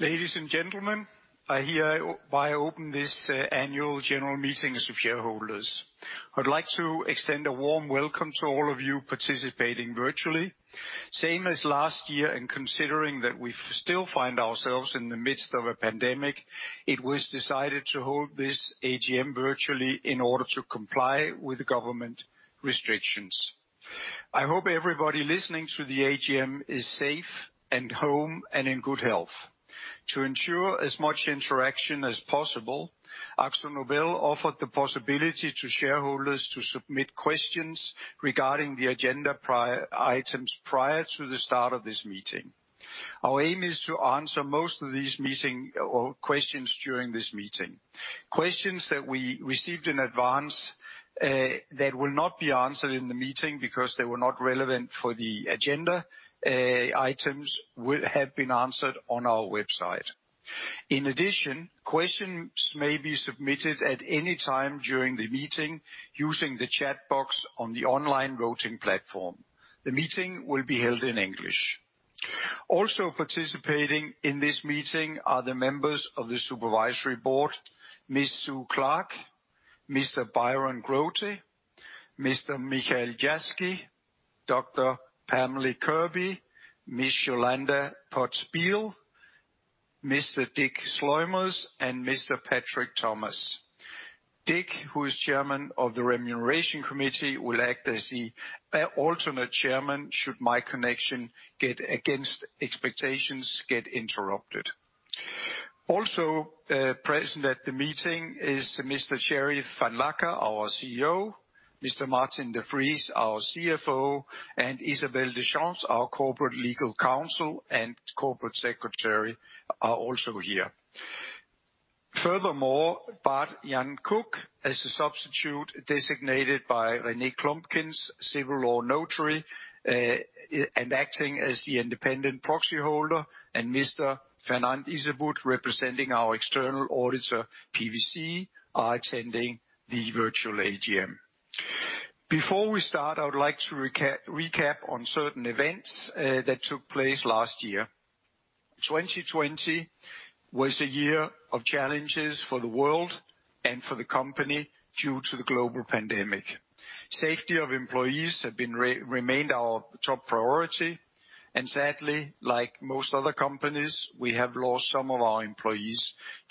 Ladies and gentlemen, I hereby open this annual general meeting of shareholders. I'd like to extend a warm welcome to all of you participating virtually. Same as last year, and considering that we still find ourselves in the midst of a pandemic, it was decided to hold this AGM virtually in order to comply with government restrictions. I hope everybody listening to the AGM is safe, at home, and in good health. To ensure as much interaction as possible, AkzoNobel offered the possibility to shareholders to submit questions regarding the agenda items prior to the start of this meeting. Our aim is to answer most of these meeting questions during this meeting. Questions that we received in advance that will not be answered in the meeting because they were not relevant for the agenda items will have been answered on our website. In addition, questions may be submitted at any time during the meeting using the chat box on the online voting platform. The meeting will be held in English. Also participating in this meeting are the members of the Supervisory Board: Ms. Sue Clark, Mr. Byron Grote, Mr. Michiel Jaski, Dr. Pamela Kirby, Ms. Jolanda Poots-Bijl, Mr. Dick Sluimers, and Mr. Patrick Thomas. Dick, who is Chairman of the Remuneration Committee, will act as the alternate Chairman should my connection against expectations get interrupted. Also present at the meeting is Mr. Thierry Vanlancker, our CEO, Mr. Maarten de Vries, our CFO, and Isabelle Deschamps, our Corporate Legal Counsel and Corporate Secretary, are also here. Furthermore, Bart-Jan Koek, as a substitute designated by René Clumpkens, Civil Law Notary and acting as the independent proxy holder, and Mr. Fernand Izebout, representing our external auditor, PwC, are attending the virtual AGM. Before we start, I would like to recap on certain events that took place last year. 2020 was a year of challenges for the world and for the company due to the global pandemic. Safety of employees has remained our top priority, and sadly, like most other companies, we have lost some of our employees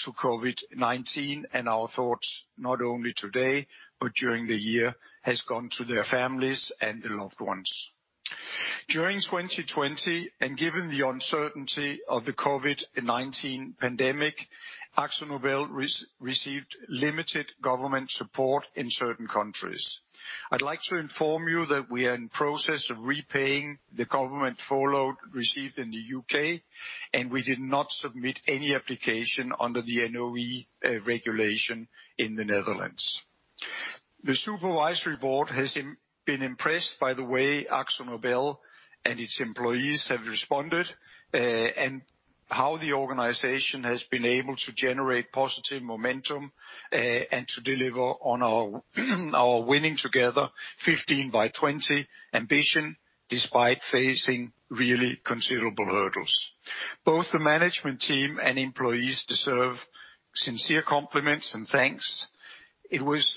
to COVID-19, and our thoughts, not only today but during the year, have gone to their families and their loved ones. During 2020, and given the uncertainty of the COVID-19 pandemic, AkzoNobel received limited government support in certain countries. I'd like to inform you that we are in the process of repaying the government follow-up received in the UK, and we did not submit any application under the NOW regulation in the Netherlands. The Supervisory Board has been impressed by the way AkzoNobel and its employees have responded and how the organization has been able to generate positive momentum and to deliver on our Winning Together: 15 by 20 ambition despite facing really considerable hurdles. Both the management team and employees deserve sincere compliments and thanks. It was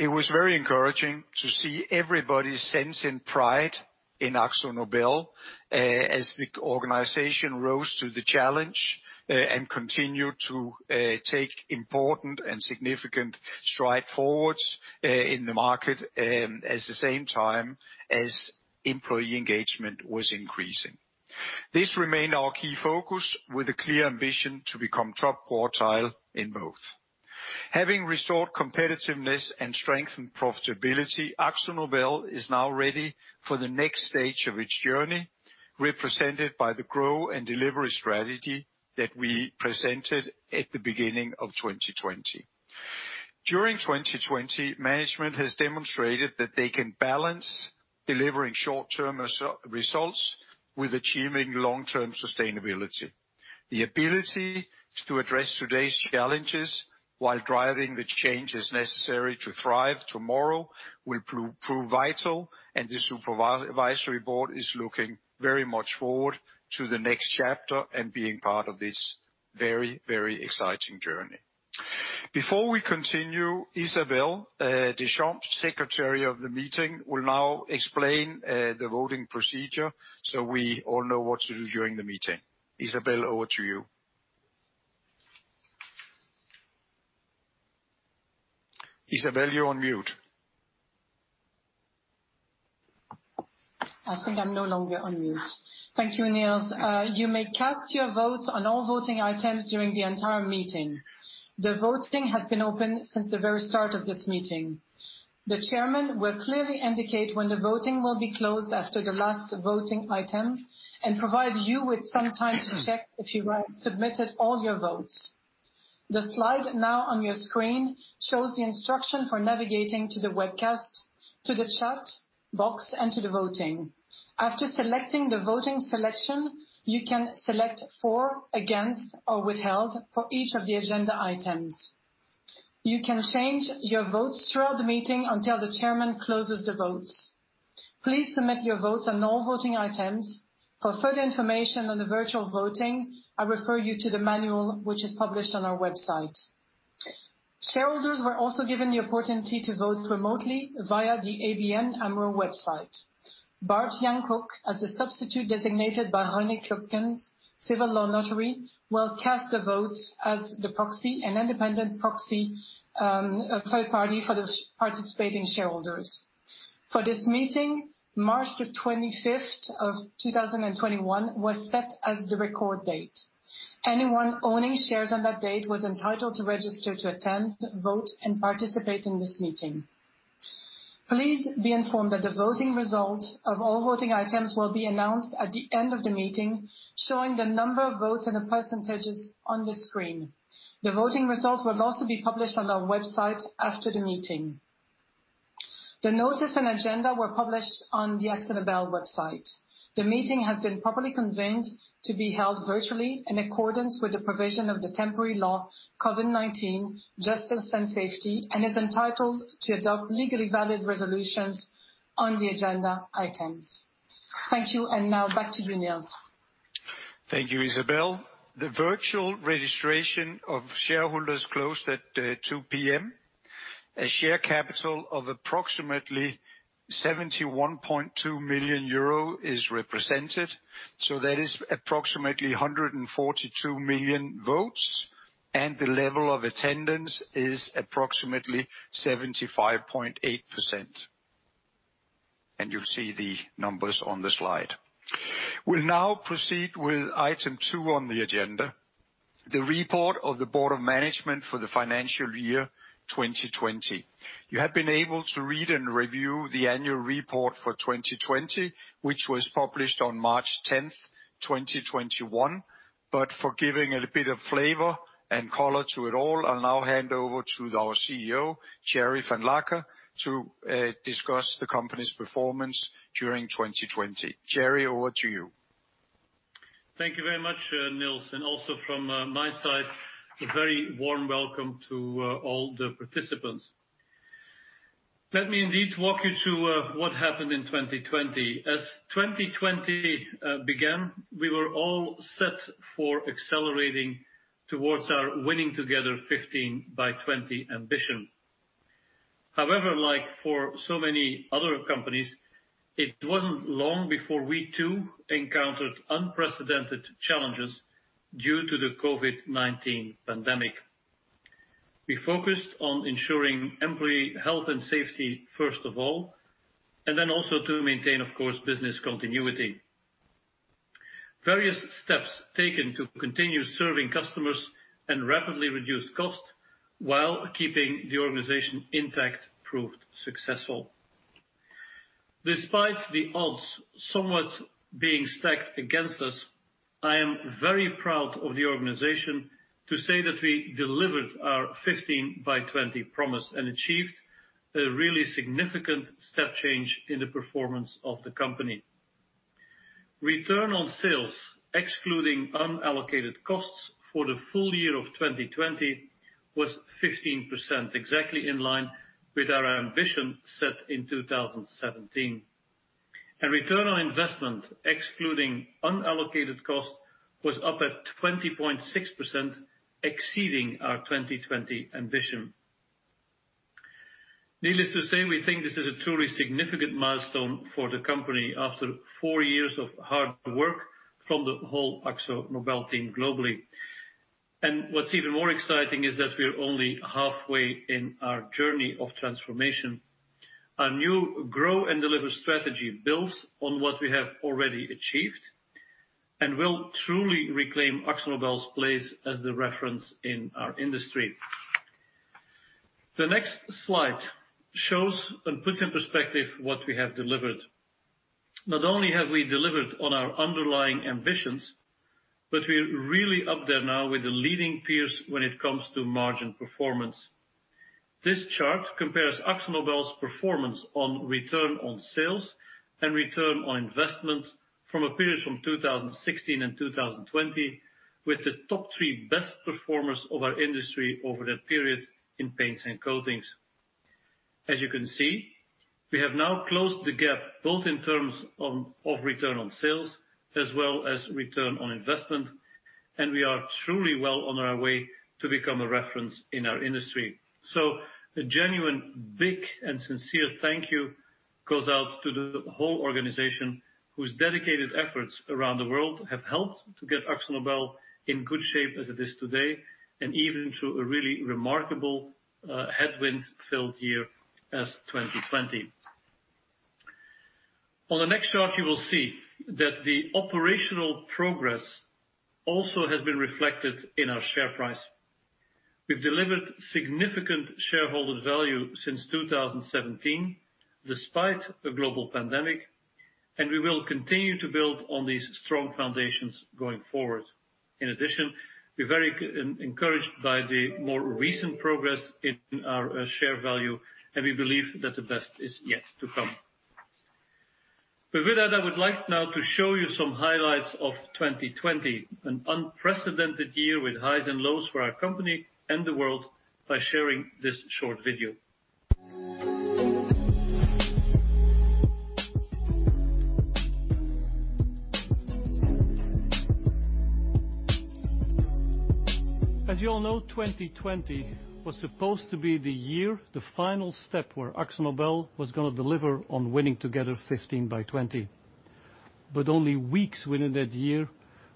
very encouraging to see everybody sensing pride in AkzoNobel as the organization rose to the challenge and continued to take important and significant strides forward in the market at the same time as employee engagement was increasing. This remained our key focus with a clear ambition to become top quartile in both. Having restored competitiveness and strengthened profitability, AkzoNobel is now ready for the next stage of its journey, represented by the Grow and Deliver strategy that we presented at the beginning of 2020. During 2020, management has demonstrated that they can balance delivering short-term results with achieving long-term sustainability. The ability to address today's challenges while driving the changes necessary to thrive tomorrow will prove vital, and the Supervisory Board is looking very much forward to the next chapter and being part of this very, very exciting journey. Before we continue, Isabelle Deschamps, Secretary of the Meeting, will now explain the voting procedure so we all know what to do during the meeting. Isabelle, over to you. Isabelle, you're on mute. I think I'm no longer on mute. Thank you, Nils. You may cast your votes on all voting items during the entire meeting. The voting has been open since the very start of this meeting. The Chairman will clearly indicate when the voting will be closed after the last voting item and provide you with some time to check if you have submitted all your votes. The slide now on your screen shows the instruction for navigating to the webcast, to the chat box, and to the voting. After selecting the voting selection, you can select for, against, or withheld for each of the agenda items. You can change your votes throughout the meeting until the Chairman closes the votes. Please submit your votes on all voting items. For further information on the virtual voting, I refer you to the manual which is published on our website. Shareholders were also given the opportunity to vote remotely via the ABN AMRO website. Bart-Jan Koek, as a substitute designated by René Clumpkens civil law notary, will cast the votes as the proxy, an independent proxy third party for the participating shareholders. For this meeting, March 25th of 2021 was set as the record date. Anyone owning shares on that date was entitled to register to attend, vote, and participate in this meeting. Please be informed that the voting result of all voting items will be announced at the end of the meeting, showing the number of votes and the percentages on the screen. The voting result will also be published on our website after the meeting. The notice and agenda were published on the AkzoNobel website. The meeting has been properly convened to be held virtually in accordance with the provision of the temporary law, COVID-19 Justice and Safety, and is entitled to adopt legally valid resolutions on the agenda items. Thank you, and now back to you, Nils. Thank you, Isabelle. The virtual registration of shareholders closed at 2:00 P.M. A share capital of approximately 71.2 million euro is represented, so that is approximately 142 million votes, and the level of attendance is approximately 75.8%, and you'll see the numbers on the slide. We'll now proceed with item two on the agenda: the report of the Board of Management for the financial year 2020. You have been able to read and review the annual report for 2020, which was published on March 10th, 2021, but for giving a bit of flavor and color to it all, I'll now hand over to our CEO, Thierry Vanlancker, to discuss the company's performance during 2020. Thierry, over to you. Thank you very much, Nils, and also from my side, a very warm welcome to all the participants. Let me indeed walk you through what happened in 2020. As 2020 began, we were all set for accelerating towards our Winning Together 15 by 20 ambition. However, like for so many other companies, it wasn't long before we too encountered unprecedented challenges due to the COVID-19 pandemic. We focused on ensuring employee health and safety first of all, and then also to maintain, of course, business continuity. Various steps taken to continue serving customers and rapidly reduce costs while keeping the organization intact proved successful. Despite the odds somewhat being stacked against us, I am very proud of the organization to say that we delivered our 15 by 20 promise and achieved a really significant step change in the performance of the company. Return on sales, excluding unallocated costs for the full year of 2020, was 15%, exactly in line with our ambition set in 2017. And return on investment, excluding unallocated costs, was up at 20.6%, exceeding our 2020 ambition. Needless to say, we think this is a truly significant milestone for the company after four years of hard work from the whole AkzoNobel team globally. And what's even more exciting is that we're only halfway in our journey of transformation. Our new Grow and Deliver strategy builds on what we have already achieved and will truly reclaim AkzoNobel's place as the reference in our industry. The next slide shows and puts in perspective what we have delivered. Not only have we delivered on our underlying ambitions, but we're really up there now with the leading peers when it comes to margin performance. This chart compares AkzoNobel's performance on return on sales and return on investment from a period from 2016 and 2020 with the top three best performers of our industry over that period in paints and coatings. As you can see, we have now closed the gap both in terms of return on sales as well as return on investment, and we are truly well on our way to become a reference in our industry. So a genuine big and sincere thank you goes out to the whole organization whose dedicated efforts around the world have helped to get AkzoNobel in good shape as it is today and even to a really remarkable headwind-filled year as 2020. On the next chart, you will see that the operational progress also has been reflected in our share price. We've delivered significant shareholder value since 2017 despite a global pandemic, and we will continue to build on these strong foundations going forward. In addition, we're very encouraged by the more recent progress in our share value, and we believe that the best is yet to come. But with that, I would like now to show you some highlights of 2020, an unprecedented year with highs and lows for our company and the world by sharing this short video. As you all know, 2020 was supposed to be the year, the final step where AkzoNobel was going to deliver on Winning Together: 15 by 20. But only weeks into that year,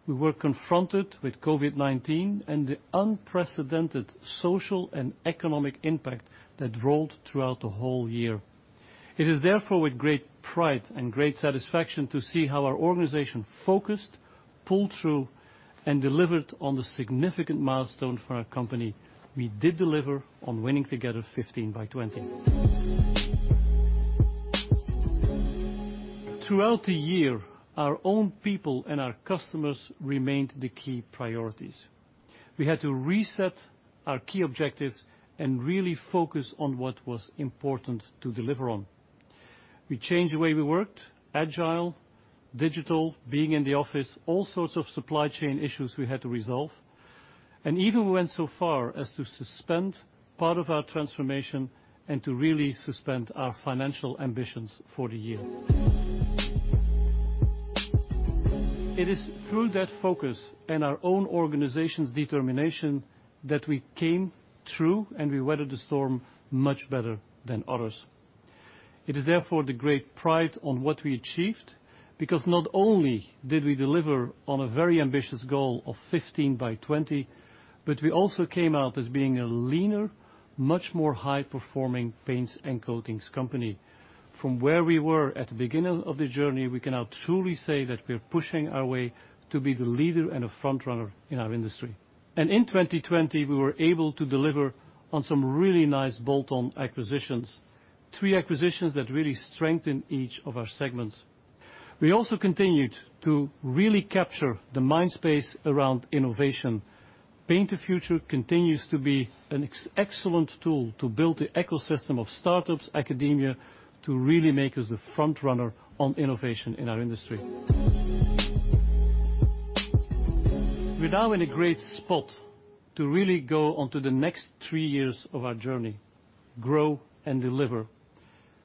we were confronted with COVID-19 and the unprecedented social and economic impact that rolled throughout the whole year. It is therefore with great pride and great satisfaction to see how our organization focused, pulled through, and delivered on the significant milestone for our company. We did deliver on Winning together: 15 by 20. Throughout the year, our own people and our customers remained the key priorities. We had to reset our key objectives and really focus on what was important to deliver on. We changed the way we worked: agile, digital, being in the office, all sorts of supply chain issues we had to resolve, and even we went so far as to suspend part of our transformation and to really suspend our financial ambitions for the year. It is through that focus and our own organization's determination that we came through and we weathered the storm much better than others. It is therefore with great pride in what we achieved because not only did we deliver on a very ambitious goal of 15 by 20, but we also came out as being a leaner, much more high-performing paints and coatings company. From where we were at the beginning of the journey, we can now truly say that we're pushing our way to be the leader and a frontrunner in our industry, and in 2020, we were able to deliver on some really nice bolt-on acquisitions, three acquisitions that really strengthened each of our segments. We also continued to really capture the mind space around innovation. Paint the Future continues to be an excellent tool to build the ecosystem of startups, academia, to really make us the frontrunner on innovation in our industry. We're now in a great spot to really go on to the next three years of our journey: Grow and Deliver.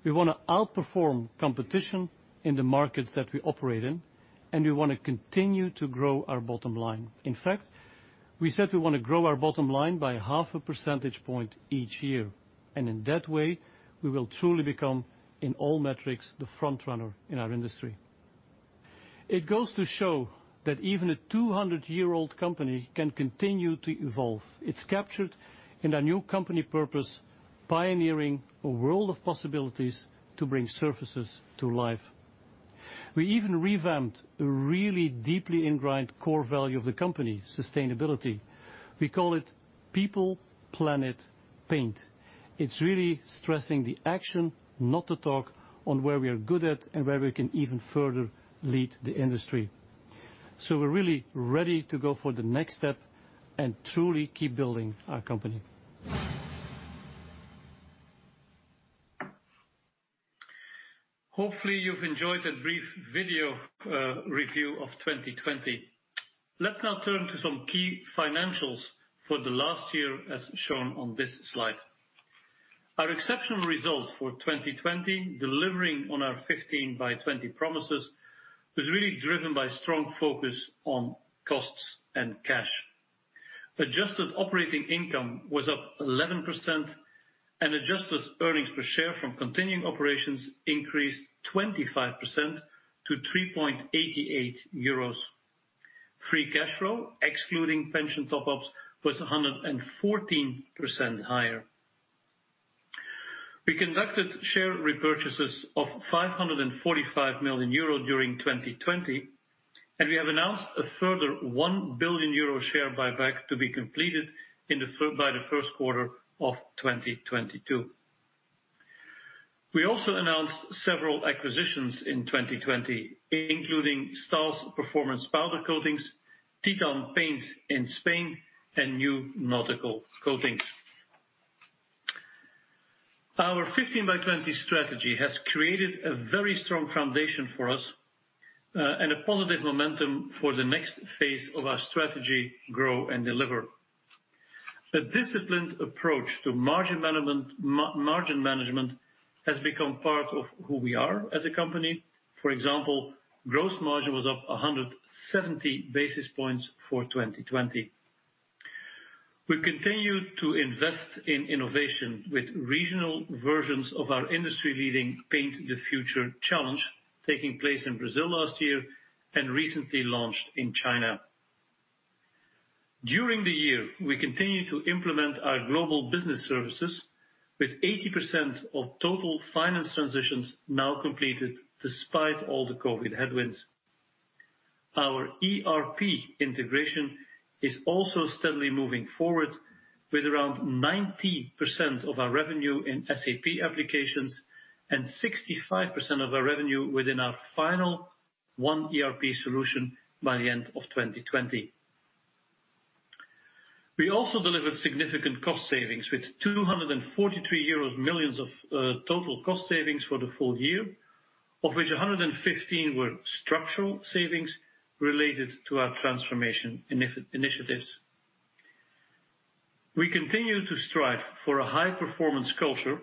We want to outperform competition in the markets that we operate in, and we want to continue to grow our bottom line. In fact, we said we want to grow our bottom line by half a percentage point each year. And in that way, we will truly become, in all metrics, the frontrunner in our industry. It goes to show that even a 200-year-old company can continue to evolve. It's captured in our new company purpose, pioneering a world of possibilities to bring surfaces to life. We even revamped a really deeply ingrained core value of the company: sustainability. We call it People. Planet. Paint. It's really stressing the action, not the talk, on where we are good at and where we can even further lead the industry. So we're really ready to go for the next step and truly keep building our company. Hopefully, you've enjoyed a brief video review of 2020. Let's now turn to some key financials for the last year, as shown on this slide. Our exceptional result for 2020, delivering on our 15 by 20 promises, was really driven by strong focus on costs and cash. Adjusted operating income was up 11%, and adjusted earnings per share from continuing operations increased 25% to 3.88 euros. Free cash flow, excluding pension top-ups, was 114% higher. We conducted share repurchases of 545 million euro during 2020, and we have announced a further 1 billion euro share buyback to be completed by the first quarter of 2022. We also announced several acquisitions in 2020, including Stahl's performance powder coatings, Titan Paints in Spain, and New Nautical Coatings. Our 15 by 20 strategy has created a very strong foundation for us and a positive momentum for the next phase of our strategy, Grow and Deliver. A disciplined approach to margin management has become part of who we are as a company. For example, gross margin was up 170 basis points for 2020. We continue to invest in innovation with regional versions of our industry-leading Paint the Future challenge, taking place in Brazil last year and recently launched in China. During the year, we continue to implement our Global Business Services, with 80% of total finance transitions now completed despite all the COVID headwinds. Our ERP integration is also steadily moving forward, with around 90% of our revenue in SAP applications and 65% of our revenue within our final one ERP solution by the end of 2020. We also delivered significant cost savings with 243 million euros of total cost savings for the full year, of which 115 million EUR were structural savings related to our transformation initiatives. We continue to strive for a high-performance culture,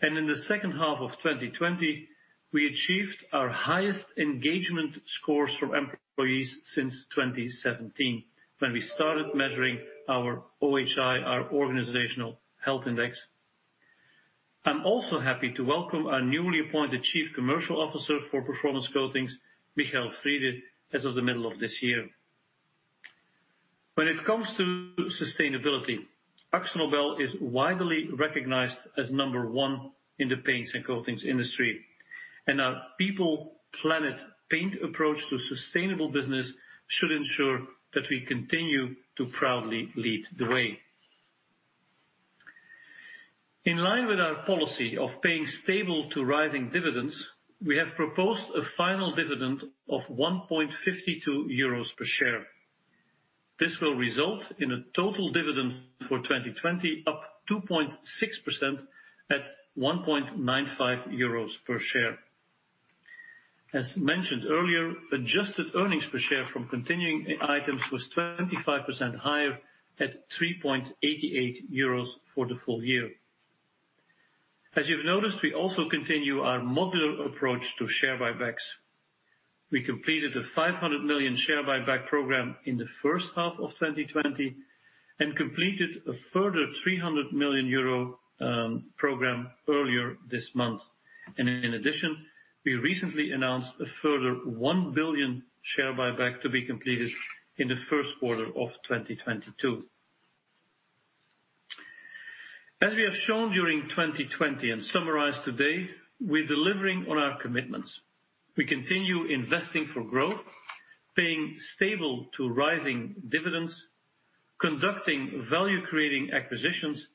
and in the second half of 2020, we achieved our highest engagement scores for employees since 2017 when we started measuring our OHI, our Organizational Health Index. I'm also happy to welcome our newly appointed Chief Commercial Officer for Performance Coatings, Michael Friede, as of the middle of this year. When it comes to sustainability, AkzoNobel is widely recognized as number one in the paints and coatings industry, and our People. Planet. Paint. approach to sustainable business should ensure that we continue to proudly lead the way. In line with our policy of paying stable to rising dividends, we have proposed a final dividend of 1.52 euros per share. This will result in a total dividend for 2020 up 2.6% at 1.95 euros per share. As mentioned earlier, adjusted earnings per share from continuing items was 25% higher at 3.88 euros for the full year. As you've noticed, we also continue our modular approach to share buybacks. We completed a 500 million share buyback program in the first half of 2020 and completed a further 300 million euro program earlier this month. And in addition, we recently announced a further 1 billion share buyback to be completed in the first quarter of 2022. As we have shown during 2020 and summarized today, we're delivering on our commitments. We continue investing for growth, paying stable to rising dividends, conducting value-creating acquisitions,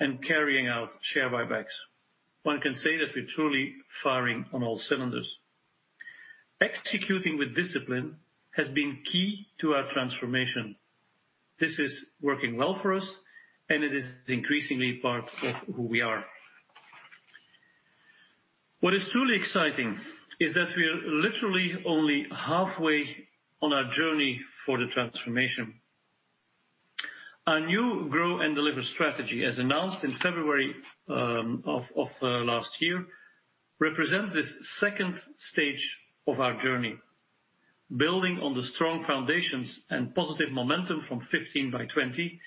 and carrying out share buybacks. One can say that we're truly firing on all cylinders. Executing with discipline has been key to our transformation. This is working well for us, and it is increasingly part of who we are. What is truly exciting is that we're literally only halfway on our journey for the transformation. Our new Grow and Deliver strategy, as announced in February of last year, represents this second stage of our journey, building on the strong foundations and positive momentum from 15 by 20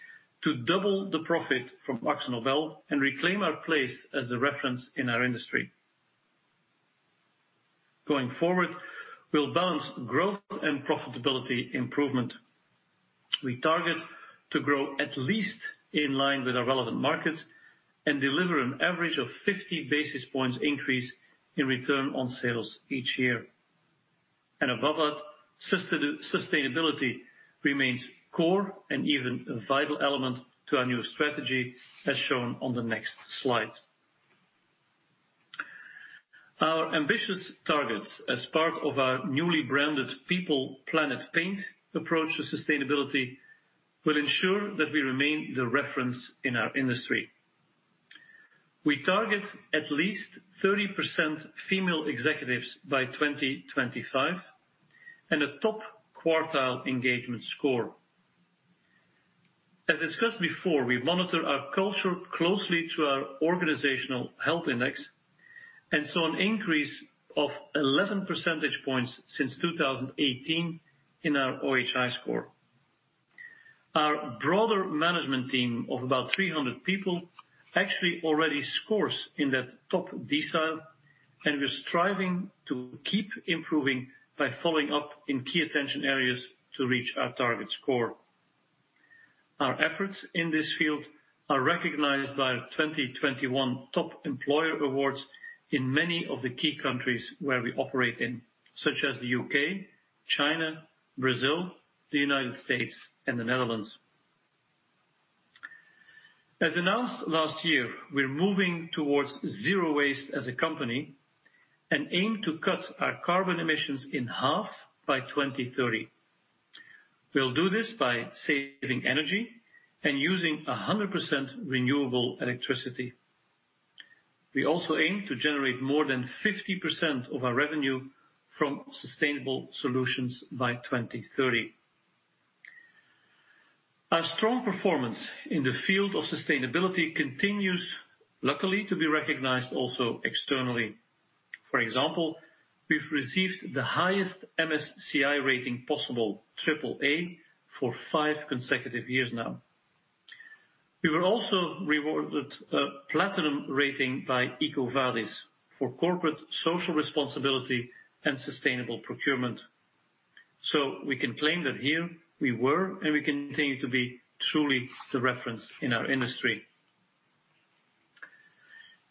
to double the profit from AkzoNobel and reclaim our place as the reference in our industry. Going forward, we'll balance growth and profitability improvement. We target to grow at least in line with our relevant markets and deliver an average of 50 basis points increase in return on sales each year, and above that, sustainability remains core and even a vital element to our new strategy, as shown on the next slide. Our ambitious targets, as part of our newly branded People. Planet. Paint. Approach to sustainability, will ensure that we remain the reference in our industry. We target at least 30% female executives by 2025 and a top quartile engagement score. As discussed before, we monitor our culture closely to our Organizational Health Index, and saw an increase of 11 percentage points since 2018 in our OHI score. Our broader management team of about 300 people actually already scores in that top decile, and we're striving to keep improving by following up in key attention areas to reach our target score. Our efforts in this field are recognized by our 2021 top employer awards in many of the key countries where we operate in, such as the U.K., China, Brazil, the United States, and the Netherlands. As announced last year, we're moving towards zero waste as a company and aim to cut our carbon emissions in half by 2030. We'll do this by saving energy and using 100% renewable electricity. We also aim to generate more than 50% of our revenue from sustainable solutions by 2030. Our strong performance in the field of sustainability continues, luckily, to be recognized also externally. For example, we've received the highest MSCI rating possible, AAA, for five consecutive years now. We were also rewarded a platinum rating by EcoVadis for corporate social responsibility and sustainable procurement. So we can claim that here we were and we continue to be truly the reference in our industry.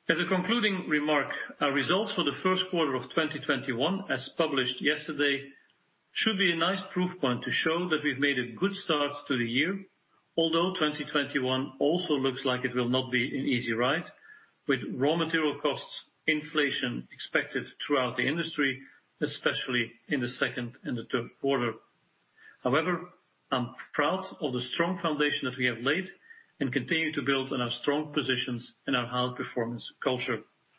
As a concluding remark, our results for the first quarter of 2021, as published yesterday, should be a nice proof point to show that we've made a good start to the year, although 2021 also looks like it will not be an easy ride with raw material costs, inflation expected throughout the industry, especially in the second and the third quarter. However, I'm proud of the strong foundation that we have laid and continue to build on our strong positions and our high-performance culture.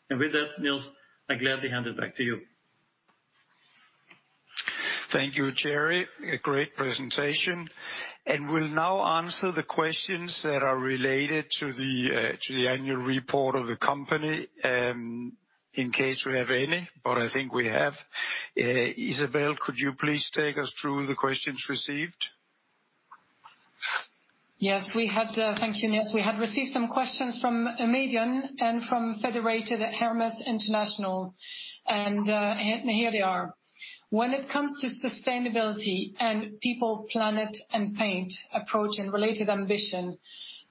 And with that, Nils, I gladly hand it back to you. Thank you, Thierry. A great presentation. And we'll now answer the questions that are related to the annual report of the company in case we have any, but I think we have. Isabelle, could you please take us through the questions received? Yes, we had, thank you, Nils. We had received some questions from Eumedion and from Federated Hermes International. Here they are. When it comes to sustainability and People. Planet. Paint. approach and related ambition,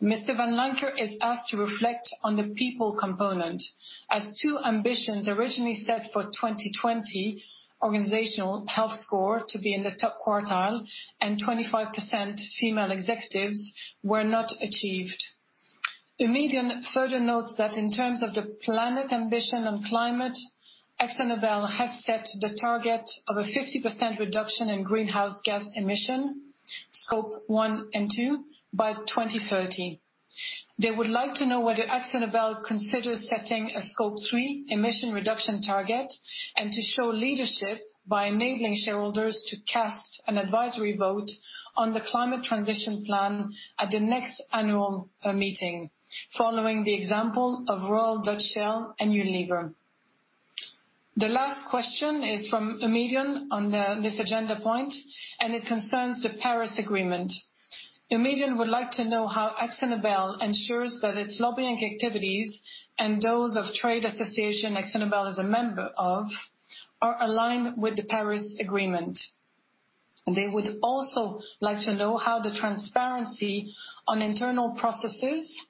Mr. Vanlancker is asked to reflect on the people component. As two ambitions originally set for 2020, organizational health score to be in the top quartile and 25% female executives were not achieved. Eumedion further notes that in terms of the planet ambition and climate, AkzoNobel has set the target of a 50% reduction in greenhouse gas emission, Scope 1 and 2, by 2030. They would like to know whether AkzoNobel considers setting a Scope 3 emission reduction target and to show leadership by enabling shareholders to cast an advisory vote on the climate transition plan at the next annual meeting, following the example of Royal Dutch Shell and Unilever. The last question is from Eumedion on this agenda point, and it concerns the Paris Agreement. Eumedion would like to know how AkzoNobel ensures that its lobbying activities and those of trade association AkzoNobel is a member of are aligned with the Paris Agreement. They would also like to know how the transparency on internal processes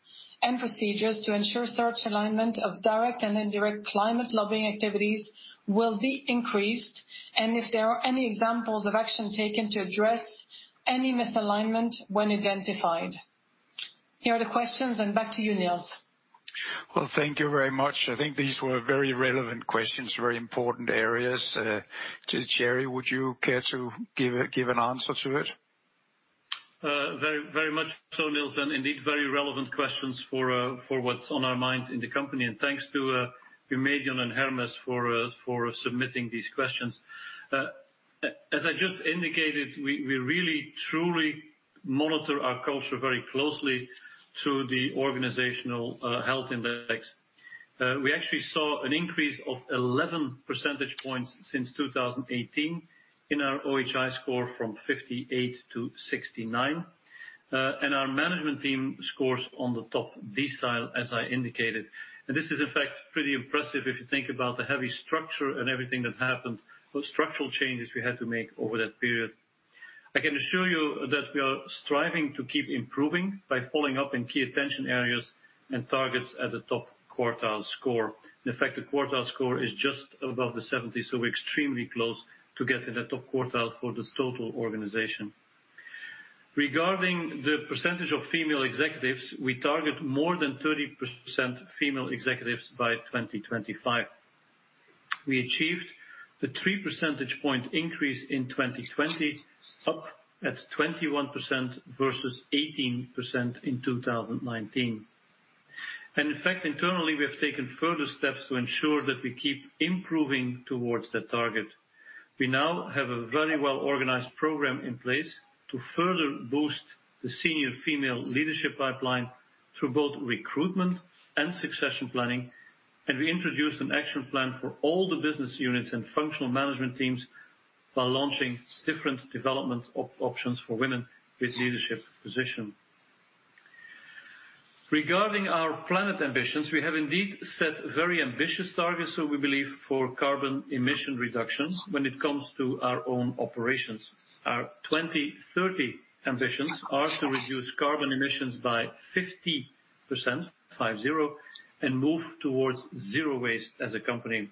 and procedures to ensure such alignment of direct and indirect climate lobbying activities will be increased, and if there are any examples of action taken to address any misalignment when identified. Here are the questions, and back to you, Nils. Well, thank you very much. I think these were very relevant questions, very important areas. Thierry, would you care to give an answer to it? Very much so, Nils, and indeed, very relevant questions for what's on our minds in the company. And thanks to Eumedion and Federated Hermes for submitting these questions. As I just indicated, we really truly monitor our culture very closely to the organizational health index. We actually saw an increase of 11 percentage points since 2018 in our OHI score from 58-69, and our management team scores on the top decile, as I indicated. And this is, in fact, pretty impressive if you think about the heavy structure and everything that happened, the structural changes we had to make over that period. I can assure you that we are striving to keep improving by following up in key attention areas and targets at the top quartile score. In fact, the quartile score is just above the 70, so we're extremely close to getting the top quartile for the total organization. Regarding the percentage of female executives, we target more than 30% female executives by 2025. We achieved a 3 percentage point increase in 2020, up at 21% versus 18% in 2019, and in fact, internally, we have taken further steps to ensure that we keep improving towards that target. We now have a very well-organized program in place to further boost the senior female leadership pipeline through both recruitment and succession planning, and we introduced an action plan for all the business units and functional management teams by launching different development options for women with leadership positions. Regarding our planet ambitions, we have indeed set very ambitious targets, so we believe, for carbon emission reduction when it comes to our own operations. Our 2030 ambitions are to reduce carbon emissions by 50%, 5-0, and move towards zero waste as a company.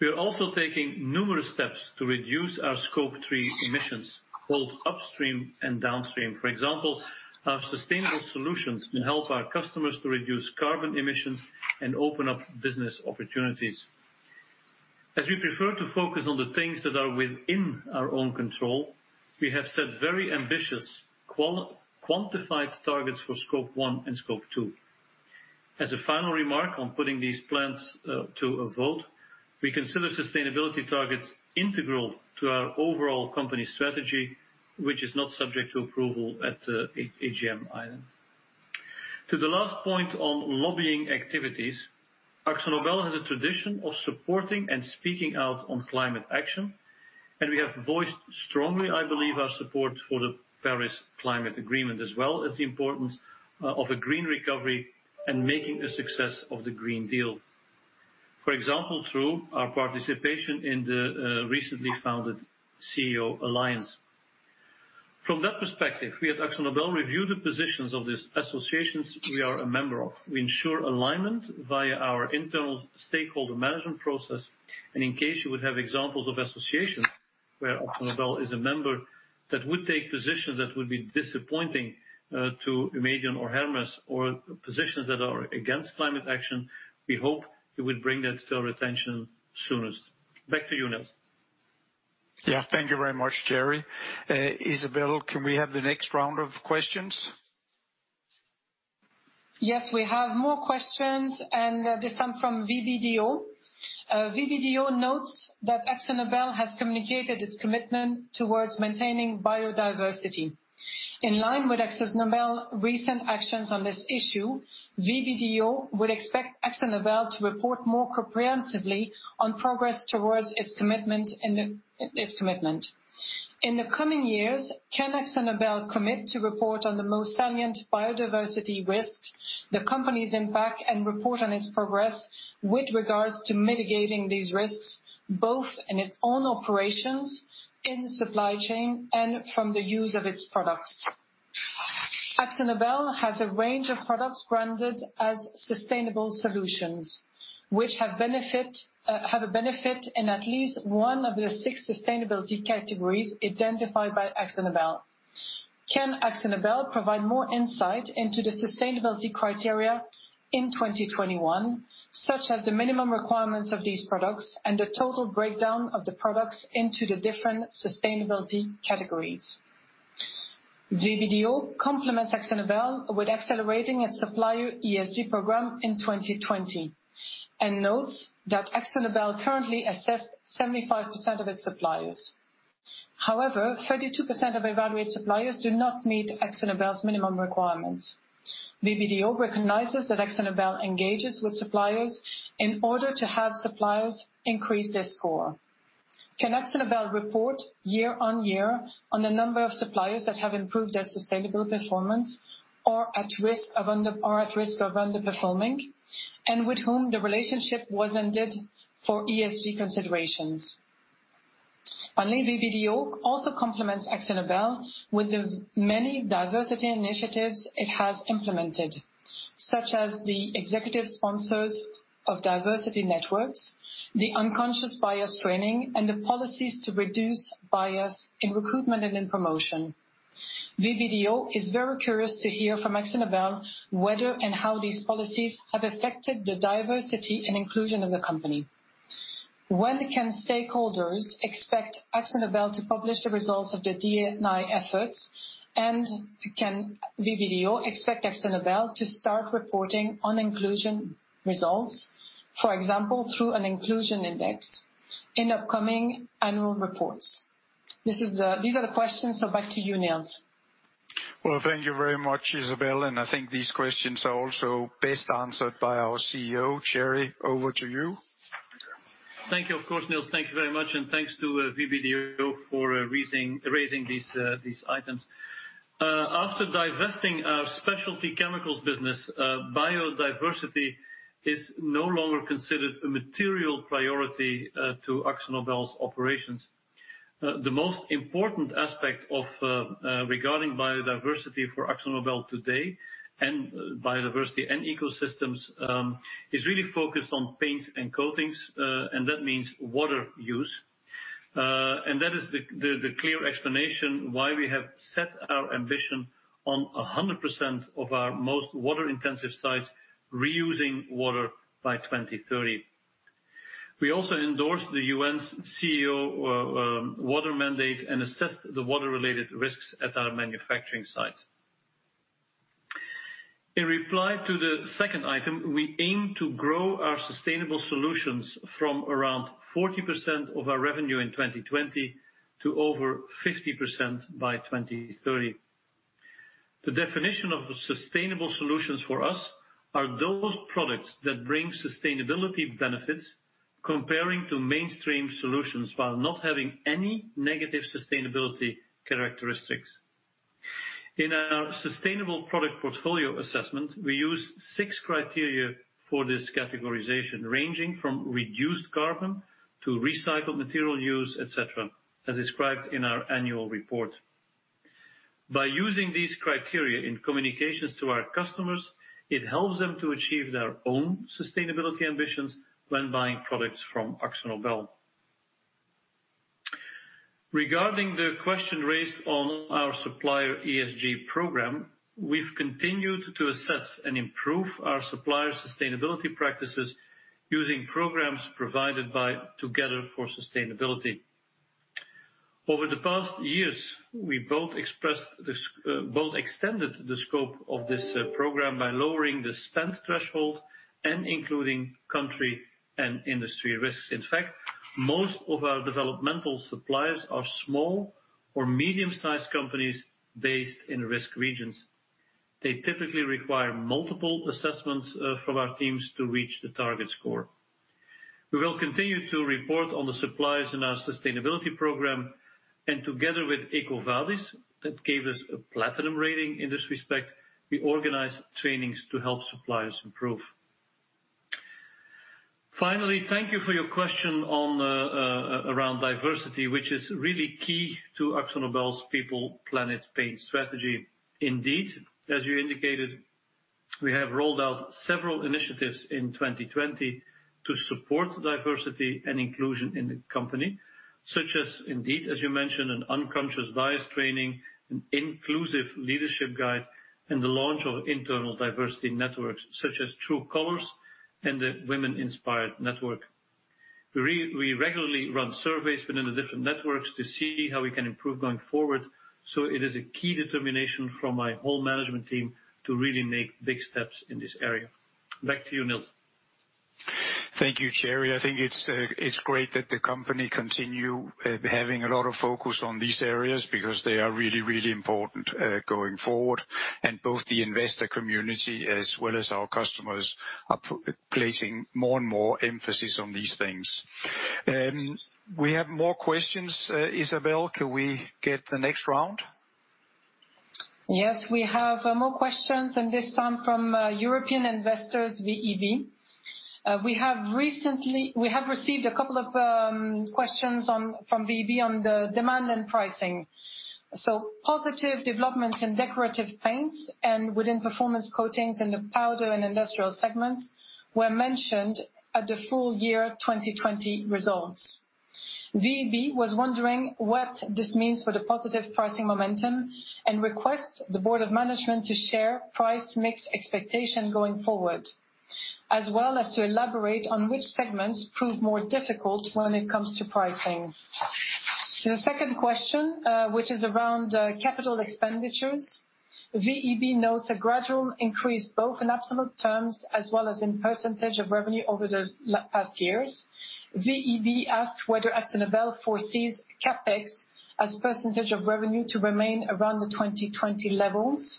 We are also taking numerous steps to reduce our Scope 3 emissions, both upstream and downstream. For example, our sustainable solutions to help our customers to reduce carbon emissions and open up business opportunities. As we prefer to focus on the things that are within our own control, we have set very ambitious, quantified targets for scope one and scope two. As a final remark on putting these plans to a vote, we consider sustainability targets integral to our overall company strategy, which is not subject to approval at the AGM. To the last point on lobbying activities, AkzoNobel has a tradition of supporting and speaking out on climate action, and we have voiced strongly, I believe, our support for the Paris Agreement, as well as the importance of a green recovery and making a success of the Green Deal, for example, through our participation in the recently founded CEO Alliance. From that perspective, we at AkzoNobel review the positions of these associations we are a member of. We ensure alignment via our internal stakeholder management process, and in case you would have examples of associations where AkzoNobel is a member that would take positions that would be disappointing to Eumedion or Federated Hermes, or positions that are against climate action, we hope you would bring that to our attention soonest. Back to you, Nils. Yeah, thank you very much, Thierry. Isabelle, can we have the next round of questions? Yes, we have more questions, and this one from VBDO. VBDO notes that AkzoNobel has communicated its commitment towards maintaining biodiversity. In line with AkzoNobel's recent actions on this issue, VBDO would expect AkzoNobel to report more comprehensively on progress towards its commitment. In the coming years, can AkzoNobel commit to report on the most salient biodiversity risks, the company's impact, and report on its progress with regards to mitigating these risks, both in its own operations, in supply chain, and from the use of its products? AkzoNobel has a range of products branded as sustainable solutions, which have a benefit in at least one of the six sustainability categories identified by AkzoNobel. Can AkzoNobel provide more insight into the sustainability criteria in 2021, such as the minimum requirements of these products and the total breakdown of the products into the different sustainability categories? VBDO complements AkzoNobel with accelerating its supplier ESG program in 2020 and notes that AkzoNobel currently assessed 75% of its suppliers. However, 32% of evaluated suppliers do not meet AkzoNobel's minimum requirements. VBDO recognizes that AkzoNobel engages with suppliers in order to have suppliers increase their score. Can AkzoNobel report year on year on the number of suppliers that have improved their sustainability performance or at risk of underperforming, and with whom the relationship was ended for ESG considerations? Finally, VBDO also complements AkzoNobel with the many diversity initiatives it has implemented, such as the executive sponsors of diversity networks, the unconscious bias training, and the policies to reduce bias in recruitment and in promotion. VBDO is very curious to hear from AkzoNobel whether and how these policies have affected the diversity and inclusion of the company. When can stakeholders expect AkzoNobel to publish the results of the D&I efforts, and can VBDO expect AkzoNobel to start reporting on inclusion results, for example, through an inclusion index in upcoming annual reports? These are the questions, so back to you, Nils. Well, thank you very much, Isabelle, and I think these questions are also best answered by our CEO. Thierry, over to you. Thank you. Of course, Nils, thank you very much, and thanks to VBDO for raising these items. After divesting our specialty chemicals business, biodiversity is no longer considered a material priority to AkzoNobel's operations. The most important aspect regarding biodiversity for AkzoNobel today, and biodiversity and ecosystems, is really focused on paints and coatings, and that means water use. And that is the clear explanation why we have set our ambition on 100% of our most water-intensive sites, reusing water by 2030. We also endorsed the UN's CEO water mandate and assessed the water-related risks at our manufacturing sites. In reply to the second item, we aim to grow our sustainable solutions from around 40% of our revenue in 2020 to over 50% by 2030. The definition of sustainable solutions for us are those products that bring sustainability benefits comparing to mainstream solutions while not having any negative sustainability characteristics. In our sustainable product portfolio assessment, we use six criteria for this categorization, ranging from reduced carbon to recycled material use, etc., as described in our annual report. By using these criteria in communications to our customers, it helps them to achieve their own sustainability ambitions when buying products from AkzoNobel. Regarding the question raised on our supplier ESG program, we've continued to assess and improve our supplier sustainability practices using programs provided by Together for Sustainability. Over the past years, we both extended the scope of this program by lowering the spend threshold and including country and industry risks. In fact, most of our developmental suppliers are small or medium-sized companies based in risk regions. They typically require multiple assessments from our teams to reach the target score. We will continue to report on the suppliers in our sustainability program, and together with EcoVadis, that gave us a platinum rating in this respect, we organize trainings to help suppliers improve. Finally, thank you for your question around diversity, which is really key to AkzoNobel's People. Planet. Paint. strategy. Indeed, as you indicated, we have rolled out several initiatives in 2020 to support diversity and inclusion in the company, such as, indeed, as you mentioned, an unconscious bias training, an inclusive leadership guide, and the launch of internal diversity networks, such as True Colors and the Women Inspired Network. We regularly run surveys within the different networks to see how we can improve going forward, so it is a key determination from my whole management team to really make big steps in this area. Back to you, Nils. Thank you, Thierry. I think it's great that the company continues having a lot of focus on these areas because they are really, really important going forward, and both the investor community as well as our customers are placing more and more emphasis on these things. We have more questions. Isabelle, can we get the next round? Yes, we have more questions, and this time from European investors, VEB. We have received a couple of questions from VEB on the demand and pricing, so positive developments in Decorative Paints and within Performance Coatings in the powder and industrial segments were mentioned at the full year 2020 results. VEB was wondering what this means for the positive pricing momentum and requests the Board of Management to share price mix expectations going forward, as well as to elaborate on which segments prove more difficult when it comes to pricing. The second question, which is around capital expenditures, VEB notes a gradual increase both in absolute terms as well as in percentage of revenue over the past years. VEB asked whether AkzoNobel foresees CapEx as percentage of revenue to remain around the 2020 levels.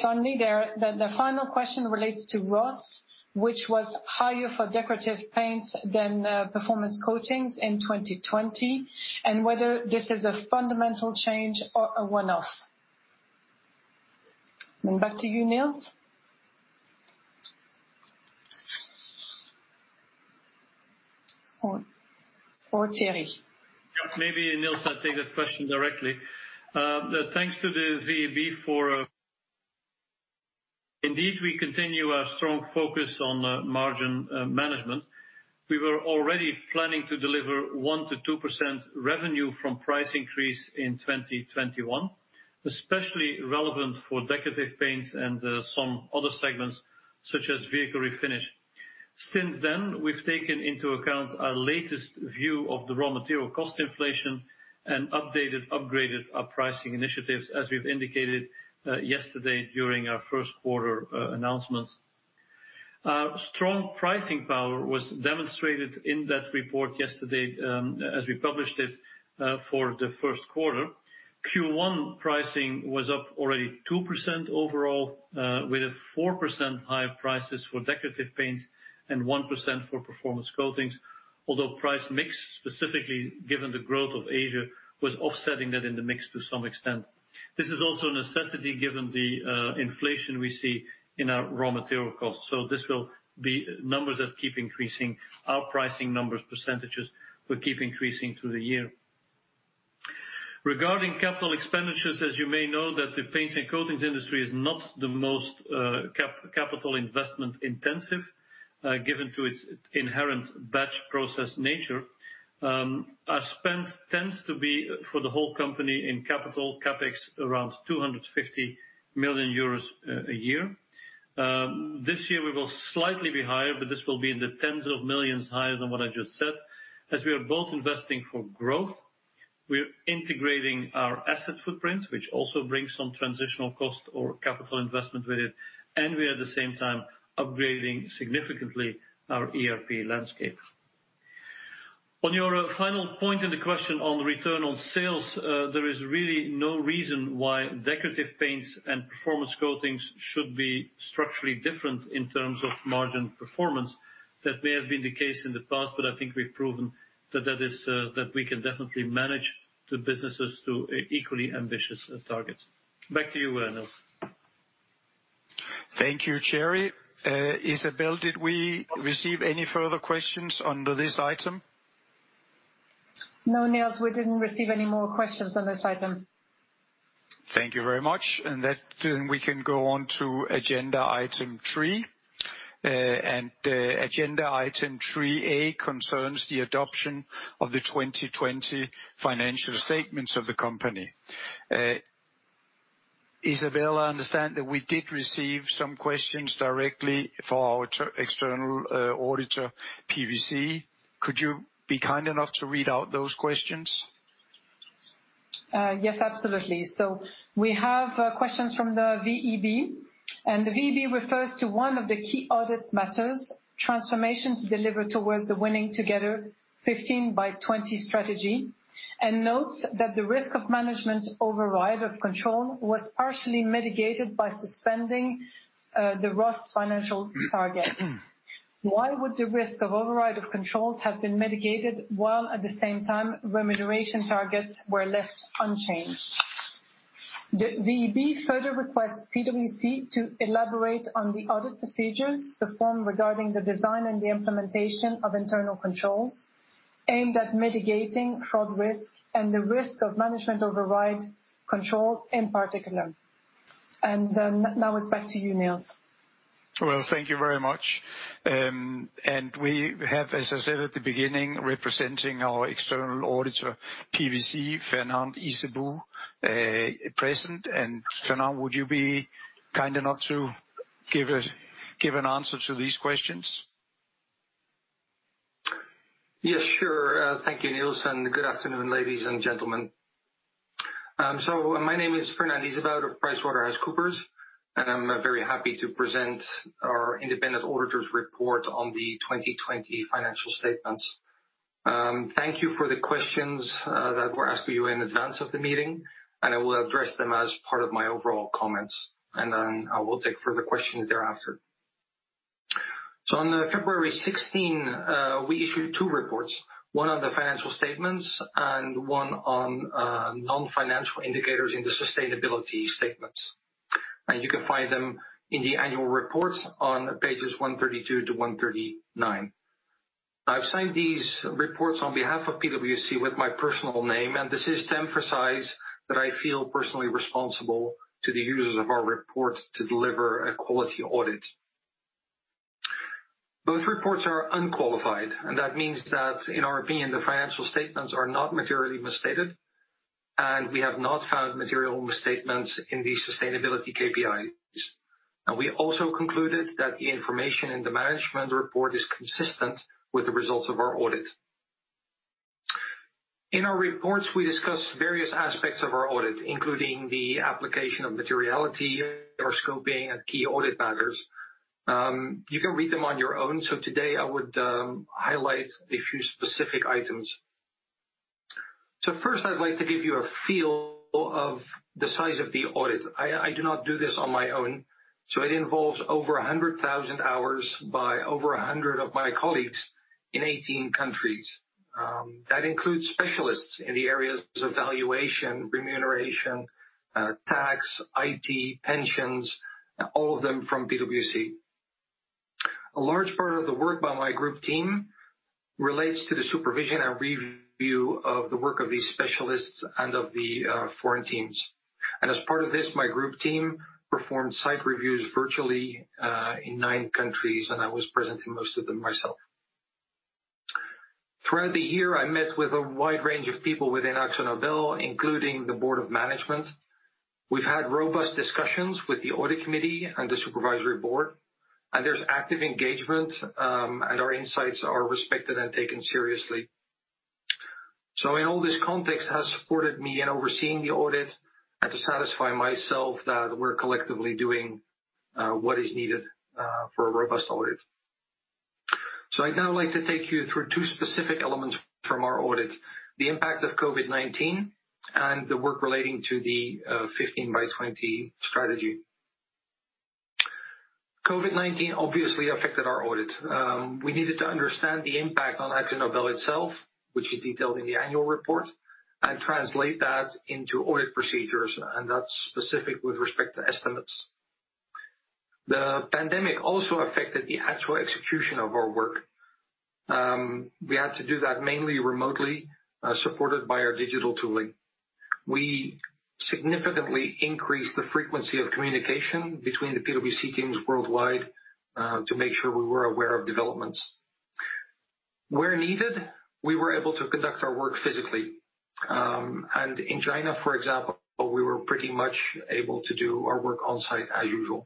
Finally, the final question relates to ROS, which was higher for Decorative Paints than Performance Coatings in 2020, and whether this is a fundamental change or a one-off. Back to you, Nils. Or Thierry. Maybe Nils will take that question directly. Thanks to the VEB for. Indeed, we continue our strong focus on margin management. We were already planning to deliver 1%-2% revenue from price increase in 2021, especially relevant for Decorative Paints and some other segments, such as Vehicle Refinishes. Since then, we've taken into account our latest view of the raw material cost inflation and updated, upgraded our pricing initiatives, as we've indicated yesterday during our first quarter announcements. Our strong pricing power was demonstrated in that report yesterday as we published it for the first quarter. Q1 pricing was up already 2% overall, with a 4% higher prices for Decorative Paints and 1% for Performance Coatings, although price mix, specifically given the growth of Asia, was offsetting that in the mix to some extent. This is also a necessity given the inflation we see in our raw material costs. So this will be numbers that keep increasing. Our pricing numbers, percentages, will keep increasing through the year. Regarding capital expenditures, as you may know, the paints and coatings industry is not the most capital investment intensive given to its inherent batch process nature. Our spend tends to be, for the whole company in capital, CapEx, around 250 million euros a year. This year, we will slightly be higher, but this will be in the tens of millions higher than what I just said. As we are both investing for growth, we're integrating our asset footprint, which also brings some transitional cost or capital investment with it, and we are at the same time upgrading significantly our ERP landscape. On your final point in the question on return on sales, there is really no reason why Decorative Paints and Performance Coatings should be structurally different in terms of margin performance. That may have been the case in the past, but I think we've proven that we can definitely manage the businesses to equally ambitious targets. Back to you, Nils. Thank you, Thierry. Isabelle, did we receive any further questions under this item? No, Nils, we didn't receive any more questions on this item. Thank you very much, and then we can go on to agenda item three, and agenda item three A concerns the adoption of the 2020 financial statements of the company. Isabelle, I understand that we did receive some questions directly for our external auditor, PwC. Could you be kind enough to read out those questions? Yes, absolutely. So we have questions from the VEB, and the VEB refers to one of the key audit matters, transformation to deliver towards the Winning Together: 15 by 20 strategy, and notes that the risk of management override of controls was partially mitigated by suspending the ROS financial target. Why would the risk of override of controls have been mitigated while at the same time remuneration targets were left unchanged? The VEB further requests PwC to elaborate on the audit procedures performed regarding the design and the implementation of internal controls aimed at mitigating fraud risk and the risk of management override of controls in particular. And now it's back to you, Nils. Well, thank you very much. We have, as I said at the beginning, representing our external auditor, PwC, Fernand Izebout, present. Fernand, would you be kind enough to give an answer to these questions? Yes, sure. Thank you, Nils, and good afternoon, ladies and gentlemen. My name is Fernand Izebout of PricewaterhouseCoopers, and I'm very happy to present our independent auditor's report on the 2020 financial statements. Thank you for the questions that were asked of you in advance of the meeting, and I will address them as part of my overall comments, and then I will take further questions thereafter. On February 16, we issued two reports, one on the financial statements and one on non-financial indicators in the sustainability statements. You can find them in the annual report on pages 132-139. I've signed these reports on behalf of PwC with my personal name, and this is to emphasize that I feel personally responsible to the users of our report to deliver a quality audit. Both reports are unqualified, and that means that, in our opinion, the financial statements are not materially misstated, and we have not found material misstatements in the sustainability KPIs. And we also concluded that the information in the management report is consistent with the results of our audit. In our reports, we discuss various aspects of our audit, including the application of materiality, our scoping, and key audit matters. You can read them on your own, so today I would highlight a few specific items. So first, I'd like to give you a feel of the size of the audit. I do not do this on my own, so it involves over 100,000 hours by over 100 of my colleagues in 18 countries. That includes specialists in the areas of valuation, remuneration, tax, IT, pensions, all of them from PwC. A large part of the work by my group team relates to the supervision and review of the work of these specialists and of the foreign teams. As part of this, my group team performed site reviews virtually in nine countries, and I was present in most of them myself. Throughout the year, I met with a wide range of people within AkzoNobel, including the Board of Management. We have had robust discussions with the Audit Committee and the Supervisory Board, and there is active engagement, and our insights are respected and taken seriously. In all this context, it has supported me in overseeing the audit and to satisfy myself that we're collectively doing what is needed for a robust audit. I'd now like to take you through two specific elements from our audit: the impact of COVID-19 and the work relating to the 15 by 20 strategy. COVID-19 obviously affected our audit. We needed to understand the impact on AkzoNobel itself, which is detailed in the annual report, and translate that into audit procedures, and that's specific with respect to estimates. The pandemic also affected the actual execution of our work. We had to do that mainly remotely, supported by our digital tooling. We significantly increased the frequency of communication between the PwC teams worldwide to make sure we were aware of developments. Where needed, we were able to conduct our work physically. In China, for example, we were pretty much able to do our work on-site as usual.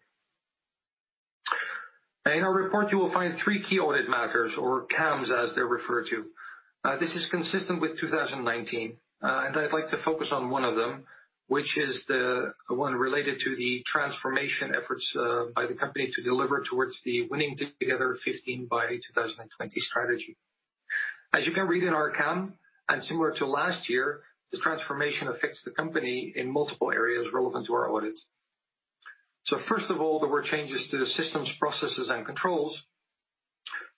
In our report, you will find three key audit matters, or CAMs as they're referred to. This is consistent with 2019, and I'd like to focus on one of them, which is the one related to the transformation efforts by the company to deliver towards the Winning Together 15 by 20 strategy. As you can read in our CAM, and similar to last year, the transformation affects the company in multiple areas relevant to our audit. So first of all, there were changes to the systems, processes, and controls,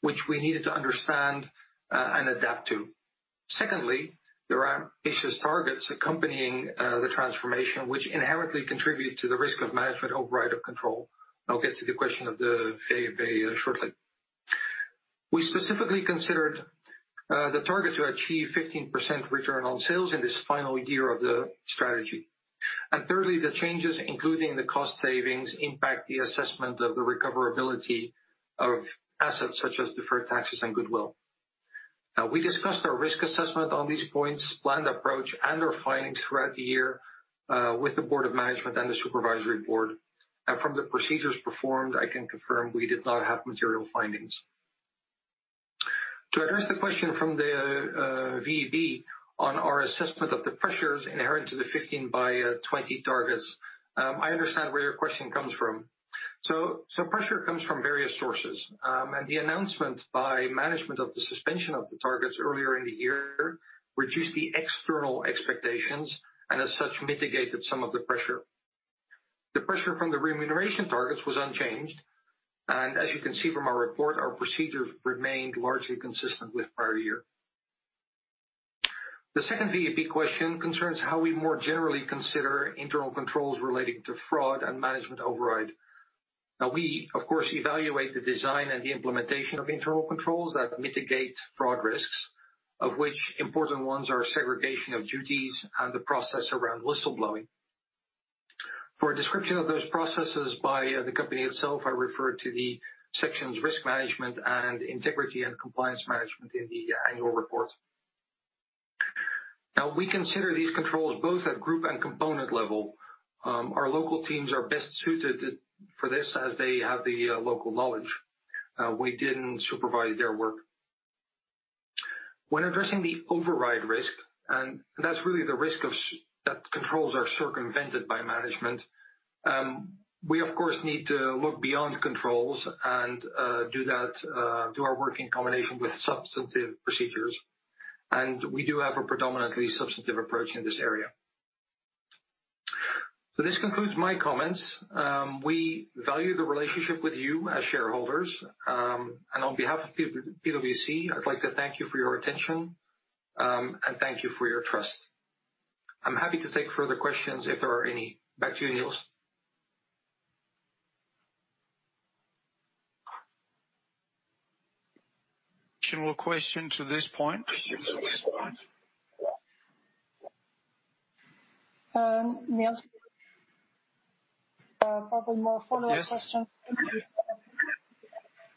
which we needed to understand and adapt to. Secondly, there are incentive targets accompanying the transformation, which inherently contribute to the risk of management override of control. I'll get to the question of the VEB shortly. We specifically considered the target to achieve 15% return on sales in this final year of the strategy. And thirdly, the changes, including the cost savings, impact the assessment of the recoverability of assets such as deferred taxes and goodwill. We discussed our risk assessment on these points, planned approach, and our findings throughout the year with the Board of Management and the Supervisory Board. And from the procedures performed, I can confirm we did not have material findings. To address the question from the VEB on our assessment of the pressures inherent to the 15 by 20 targets, I understand where your question comes from. So pressure comes from various sources, and the announcement by management of the suspension of the targets earlier in the year reduced the external expectations and, as such, mitigated some of the pressure. The pressure from the remuneration targets was unchanged, and as you can see from our report, our procedures remained largely consistent with prior year. The second VEB question concerns how we more generally consider internal controls relating to fraud and management override. Now, we, of course, evaluate the design and the implementation of internal controls that mitigate fraud risks, of which important ones are segregation of duties and the process around whistleblowing. For a description of those processes by the company itself, I refer to the sections risk management and integrity and compliance management in the annual report. Now, we consider these controls both at group and component level. Our local teams are best suited for this as they have the local knowledge. We didn't supervise their work. When addressing the override risk, and that's really the risk of that controls are circumvented by management, we, of course, need to look beyond controls and do our work in combination with substantive procedures. And we do have a predominantly substantive approach in this area. So this concludes my comments. We value the relationship with you as shareholders, and on behalf of PwC, I'd like to thank you for your attention and thank you for your trust. I'm happy to take further questions if there are any. Back to you, Nils. Question to this point? Nils, probably more follow-up questions.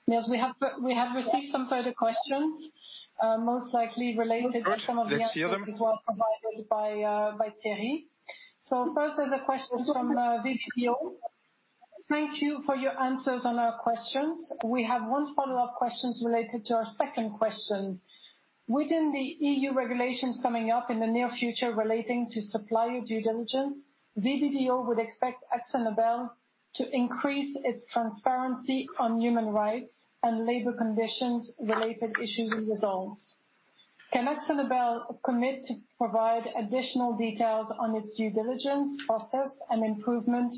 Nils, we have received some further questions, most likely related to some of the answers as well provided by Thierry. So first, there's a question from VBDO. Thank you for your answers on our questions. We have one follow-up question related to our second question. Within the EU regulations coming up in the near future relating to supplier due diligence, VBDO would expect AkzoNobel to increase its transparency on human rights and labor conditions related issues and results. Can AkzoNobel commit to provide additional details on its due diligence process and improvement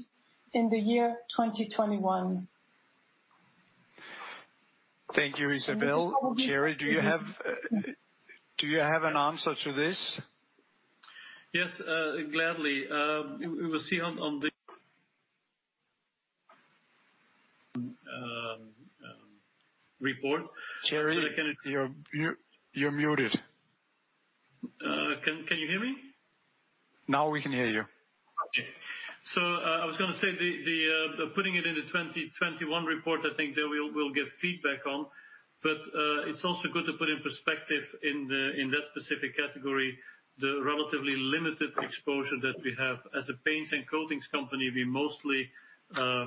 in the year 2021? Thank you, Isabelle. Thank you. Jerry, do you have an answer to this? Yes, gladly. We will see on the report. Jerry, you're muted. Can you hear me? Now we can hear you. Okay. So I was going to say putting it in the 2021 report, I think there we'll get feedback on, but it's also good to put in perspective in that specific category the relatively limited exposure that we have. As a paints and coatings company, we mostly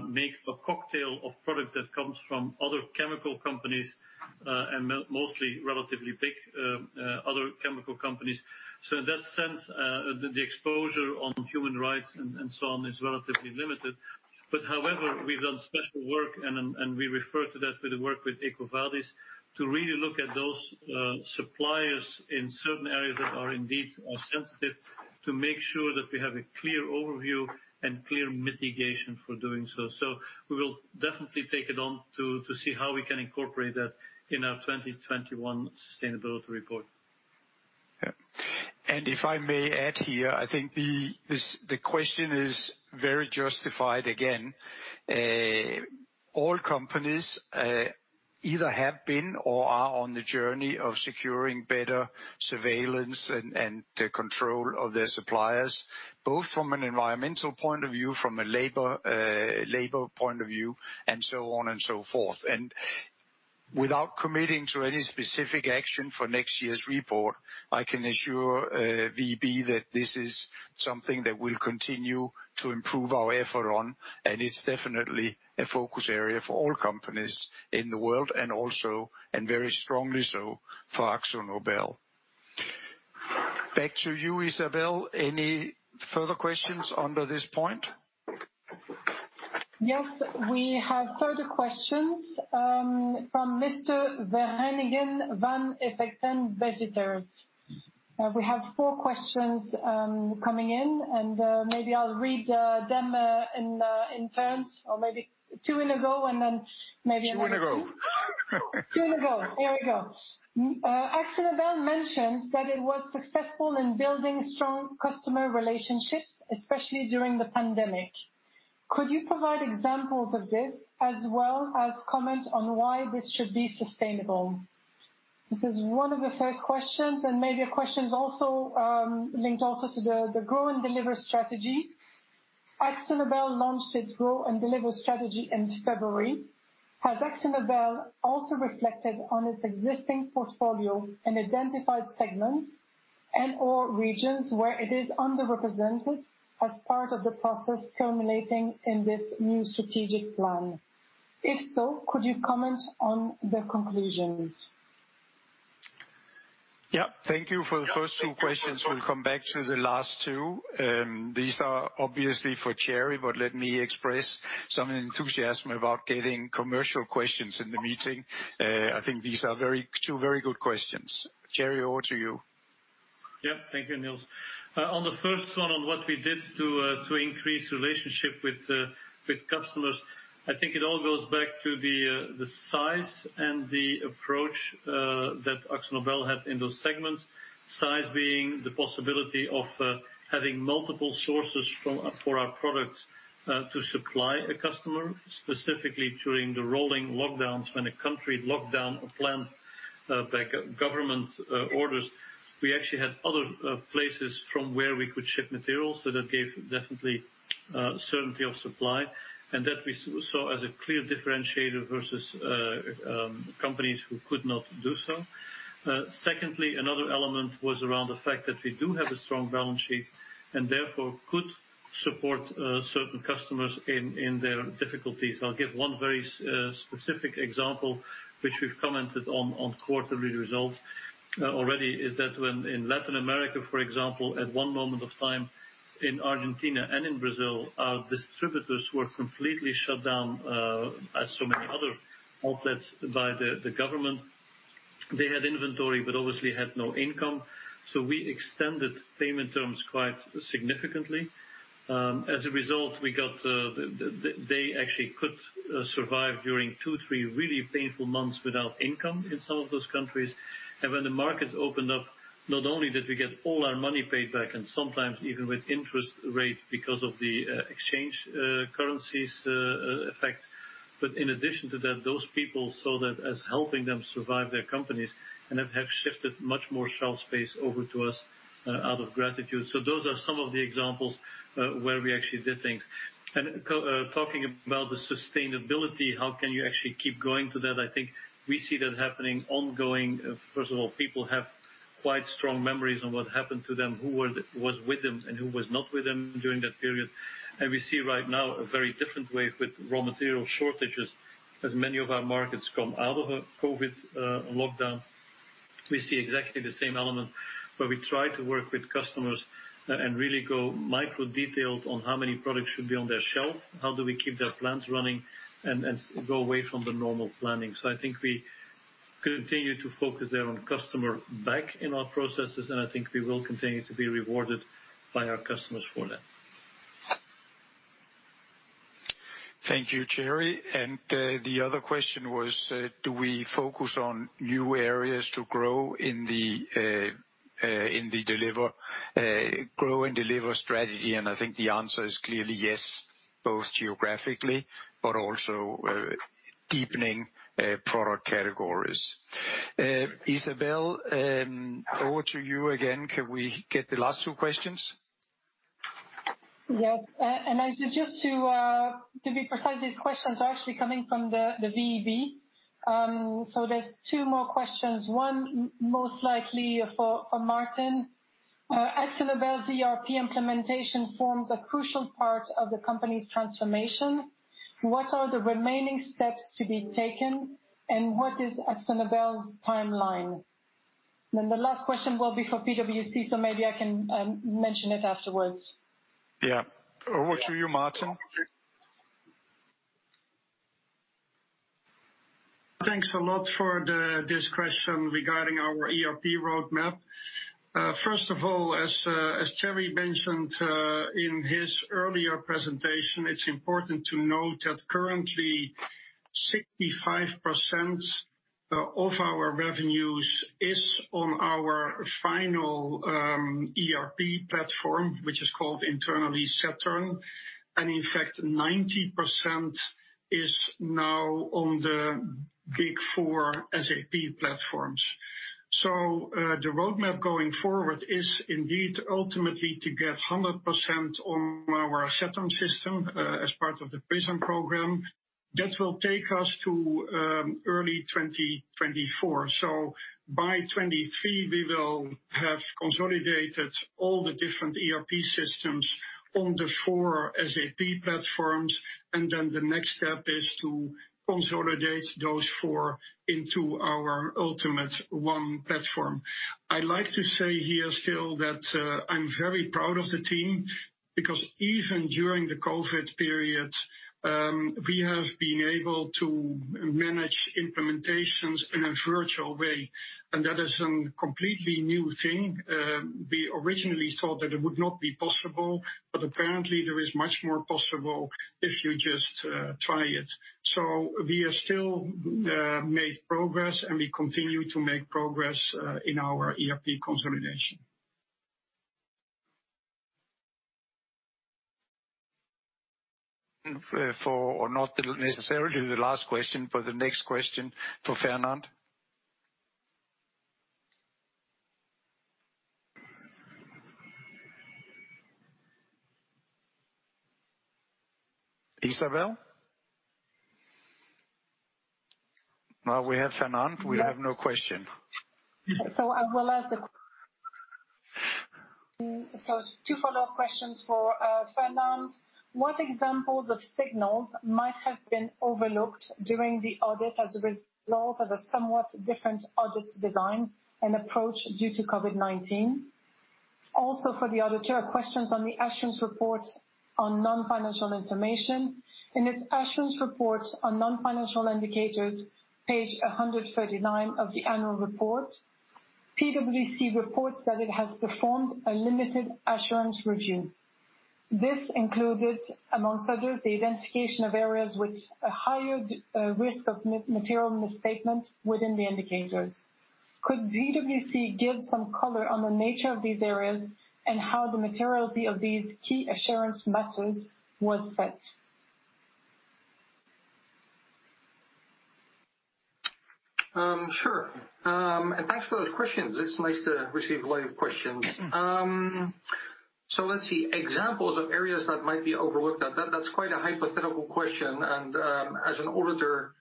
make a cocktail of products that comes from other chemical companies and mostly relatively big other chemical companies. So in that sense, the exposure on human rights and so on is relatively limited. But however, we've done special work, and we refer to that with the work with EcoVadis to really look at those suppliers in certain areas that are indeed sensitive to make sure that we have a clear overview and clear mitigation for doing so. So we will definitely take it on to see how we can incorporate that in our 2021 sustainability report. And if I may add here, I think the question is very justified again. All companies either have been or are on the journey of securing better surveillance and control of their suppliers, both from an environmental point of view, from a labor point of view, and so on and so forth, and without committing to any specific action for next year's report, I can assure VEB that this is something that we'll continue to improve our effort on, and it's definitely a focus area for all companies in the world and also and very strongly so for AkzoNobel. Back to you, Isabelle. Any further questions under this point? Yes, we have further questions from Mr. Vereniging van Effectenbezitters. We have four questions coming in, and maybe I'll read them in turns or maybe two in a go and then maybe another. Two in a go. Two in a go. Here we go. AkzoNobel mentioned that it was successful in building strong customer relationships, especially during the pandemic. Could you provide examples of this as well as comment on why this should be sustainable? This is one of the first questions, and maybe a question also linked to the Grow and Deliver strategy. AkzoNobel launched its Grow and Deliver strategy in February. Has AkzoNobel also reflected on its existing portfolio and identified segments and/or regions where it is underrepresented as part of the process culminating in this new strategic plan? If so, could you comment on the conclusions? Yep. Thank you for the first two questions. We'll come back to the last two. These are obviously for Thierry, but let me express some enthusiasm about getting commercial questions in the meeting. I think these are two very good questions. Thierry, over to you. Yep. Thank you, Nils. On the first one, on what we did to increase relationship with customers, I think it all goes back to the size and the approach that AkzoNobel had in those segments. Size being the possibility of having multiple sources for our products to supply a customer, specifically during the rolling lockdowns when a country locked down a plant by government orders. We actually had other places from where we could ship materials, so that gave definitely certainty of supply, and that we saw as a clear differentiator versus companies who could not do so. Secondly, another element was around the fact that we do have a strong balance sheet and therefore could support certain customers in their difficulties. I'll give one very specific example, which we've commented on quarterly results already, is that when in Latin America, for example, at one moment of time in Argentina and in Brazil, our distributors were completely shut down, as so many other outlets by the government. They had inventory but obviously had no income, so we extended payment terms quite significantly. As a result, we got they actually could survive during two, three really painful months without income in some of those countries. And when the markets opened up, not only did we get all our money paid back and sometimes even with interest rates because of the exchange currencies effect, but in addition to that, those people saw that as helping them survive their companies and have shifted much more shelf space over to us out of gratitude. So those are some of the examples where we actually did things. Talking about the sustainability, how can you actually keep going to that? I think we see that happening ongoing. First of all, people have quite strong memories on what happened to them, who was with them and who was not with them during that period. We see right now a very different way with raw material shortages as many of our markets come out of a COVID lockdown. We see exactly the same element where we try to work with customers and really go micro-detailed on how many products should be on their shelf, how do we keep their plants running, and go away from the normal planning. So I think we continue to focus there on customer back in our processes, and I think we will continue to be rewarded by our customers for that. Thank you, Thierry. And the other question was, do we focus on new areas to Grow & Deliver strategy? And I think the answer is clearly yes, both geographically, but also deepening product categories. Isabelle, over to you again. Can we get the last two questions? Yes. And I suggest to be precise, these questions are actually coming from the VEB. So there's two more questions. One most likely for Maarten. AkzoNobel's ERP implementation forms a crucial part of the company's transformation. What are the remaining steps to be taken, and what is AkzoNobel's timeline? And then the last question will be for PwC, so maybe I can mention it afterwards. Yeah. Over to you, Maarten. Thanks a lot for this question regarding our ERP roadmap. First of all, as Thierry mentioned in his earlier presentation, it's important to note that currently 65% of our revenues is on our final ERP platform, which is called internally Saturn, and in fact, 90% is now on the Big Four SAP platforms. So the roadmap going forward is indeed ultimately to get 100% on our Saturn system as part of the Prism program. That will take us to early 2024. So by 2023, we will have consolidated all the different ERP systems on the four SAP platforms, and then the next step is to consolidate those four into our ultimate one platform. I'd like to say here still that I'm very proud of the team because even during the COVID period, we have been able to manage implementations in a virtual way, and that is a completely new thing. We originally thought that it would not be possible, but apparently there is much more possible if you just try it. So we have still made progress, and we continue to make progress in our ERP consolidation. For not necessarily the last question, but the next question for Fernand. Isabelle? Now we have Fernand. We have no question. So I will ask the two follow-up questions for Fernand. What examples of signals might have been overlooked during the audit as a result of a somewhat different audit design and approach due to COVID-19? Also for the auditor, questions on the assurance report on non-financial information. In its assurance report on non-financial indicators, page 139 of the annual report, PwC reports that it has performed a limited assurance review. This included, among others, the identification of areas with a higher risk of material misstatement within the indicators. Could PwC give some color on the nature of these areas and how the materiality of these key assurance matters was set? Sure. And thanks for those questions. It's nice to receive live questions. So let's see. Examples of areas that might be overlooked. That's quite a hypothetical question. And as an auditor,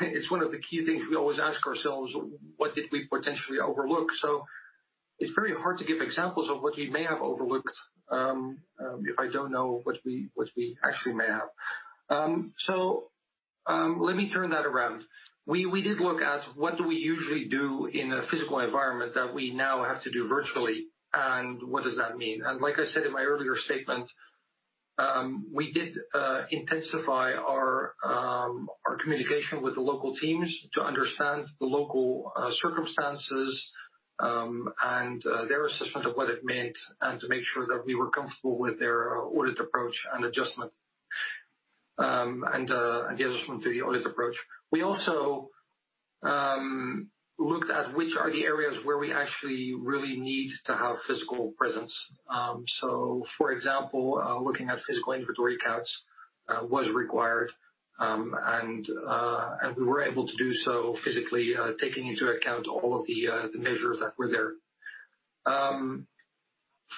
it's one of the key things we always ask ourselves, what did we potentially overlook? So it's very hard to give examples of what we may have overlooked if I don't know what we actually may have. So let me turn that around. We did look at what do we usually do in a physical environment that we now have to do virtually, and what does that mean? Like I said in my earlier statement, we did intensify our communication with the local teams to understand the local circumstances and their assessment of what it meant and to make sure that we were comfortable with their audit approach and adjustment and the adjustment to the audit approach. We also looked at which are the areas where we actually really need to have physical presence. So for example, looking at physical inventory counts was required, and we were able to do so physically, taking into account all of the measures that were there.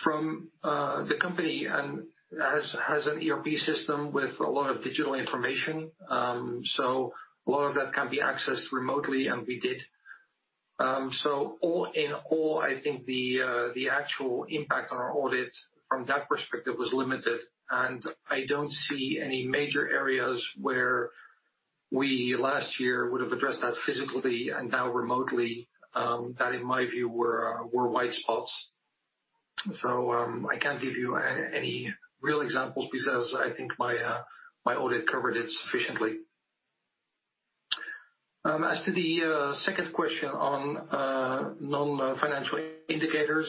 From the company, and has an ERP system with a lot of digital information, so a lot of that can be accessed remotely, and we did. All in all, I think the actual impact on our audit from that perspective was limited, and I don't see any major areas where we last year would have addressed that physically and now remotely that, in my view, were white spots. I can't give you any real examples because I think my audit covered it sufficiently. As to the second question on non-financial indicators,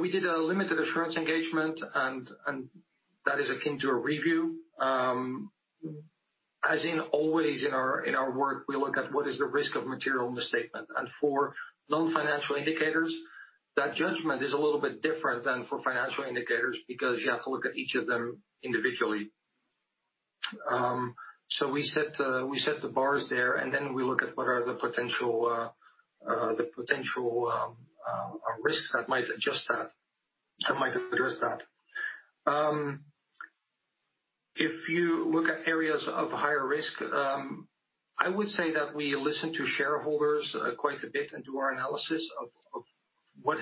we did a limited assurance engagement, and that is akin to a review. As in always in our work, we look at what is the risk of material misstatement. And for non-financial indicators, that judgment is a little bit different than for financial indicators because you have to look at each of them individually. We set the bars there, and then we look at what are the potential risks that might address that. If you look at areas of higher risk, I would say that we listen to shareholders quite a bit and do our analysis of what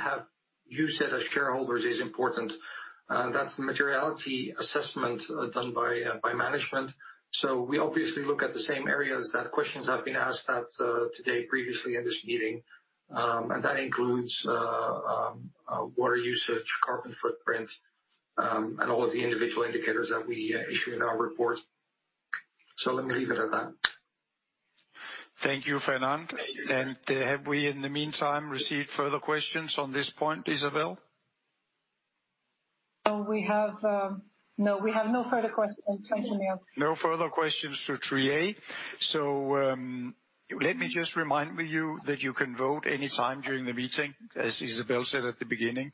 you have said as shareholders is important. That's the materiality assessment done by management. So we obviously look at the same areas that questions have been asked at today previously in this meeting, and that includes water usage, carbon footprint, and all of the individual indicators that we issue in our report. So let me leave it at that. Thank you, Fernand. And have we in the meantime received further questions on this point, Isabelle? No, we have no further questions. Thank you, Nils. No further questions for Thierry. So let me just remind you that you can vote anytime during the meeting, as Isabelle said at the beginning.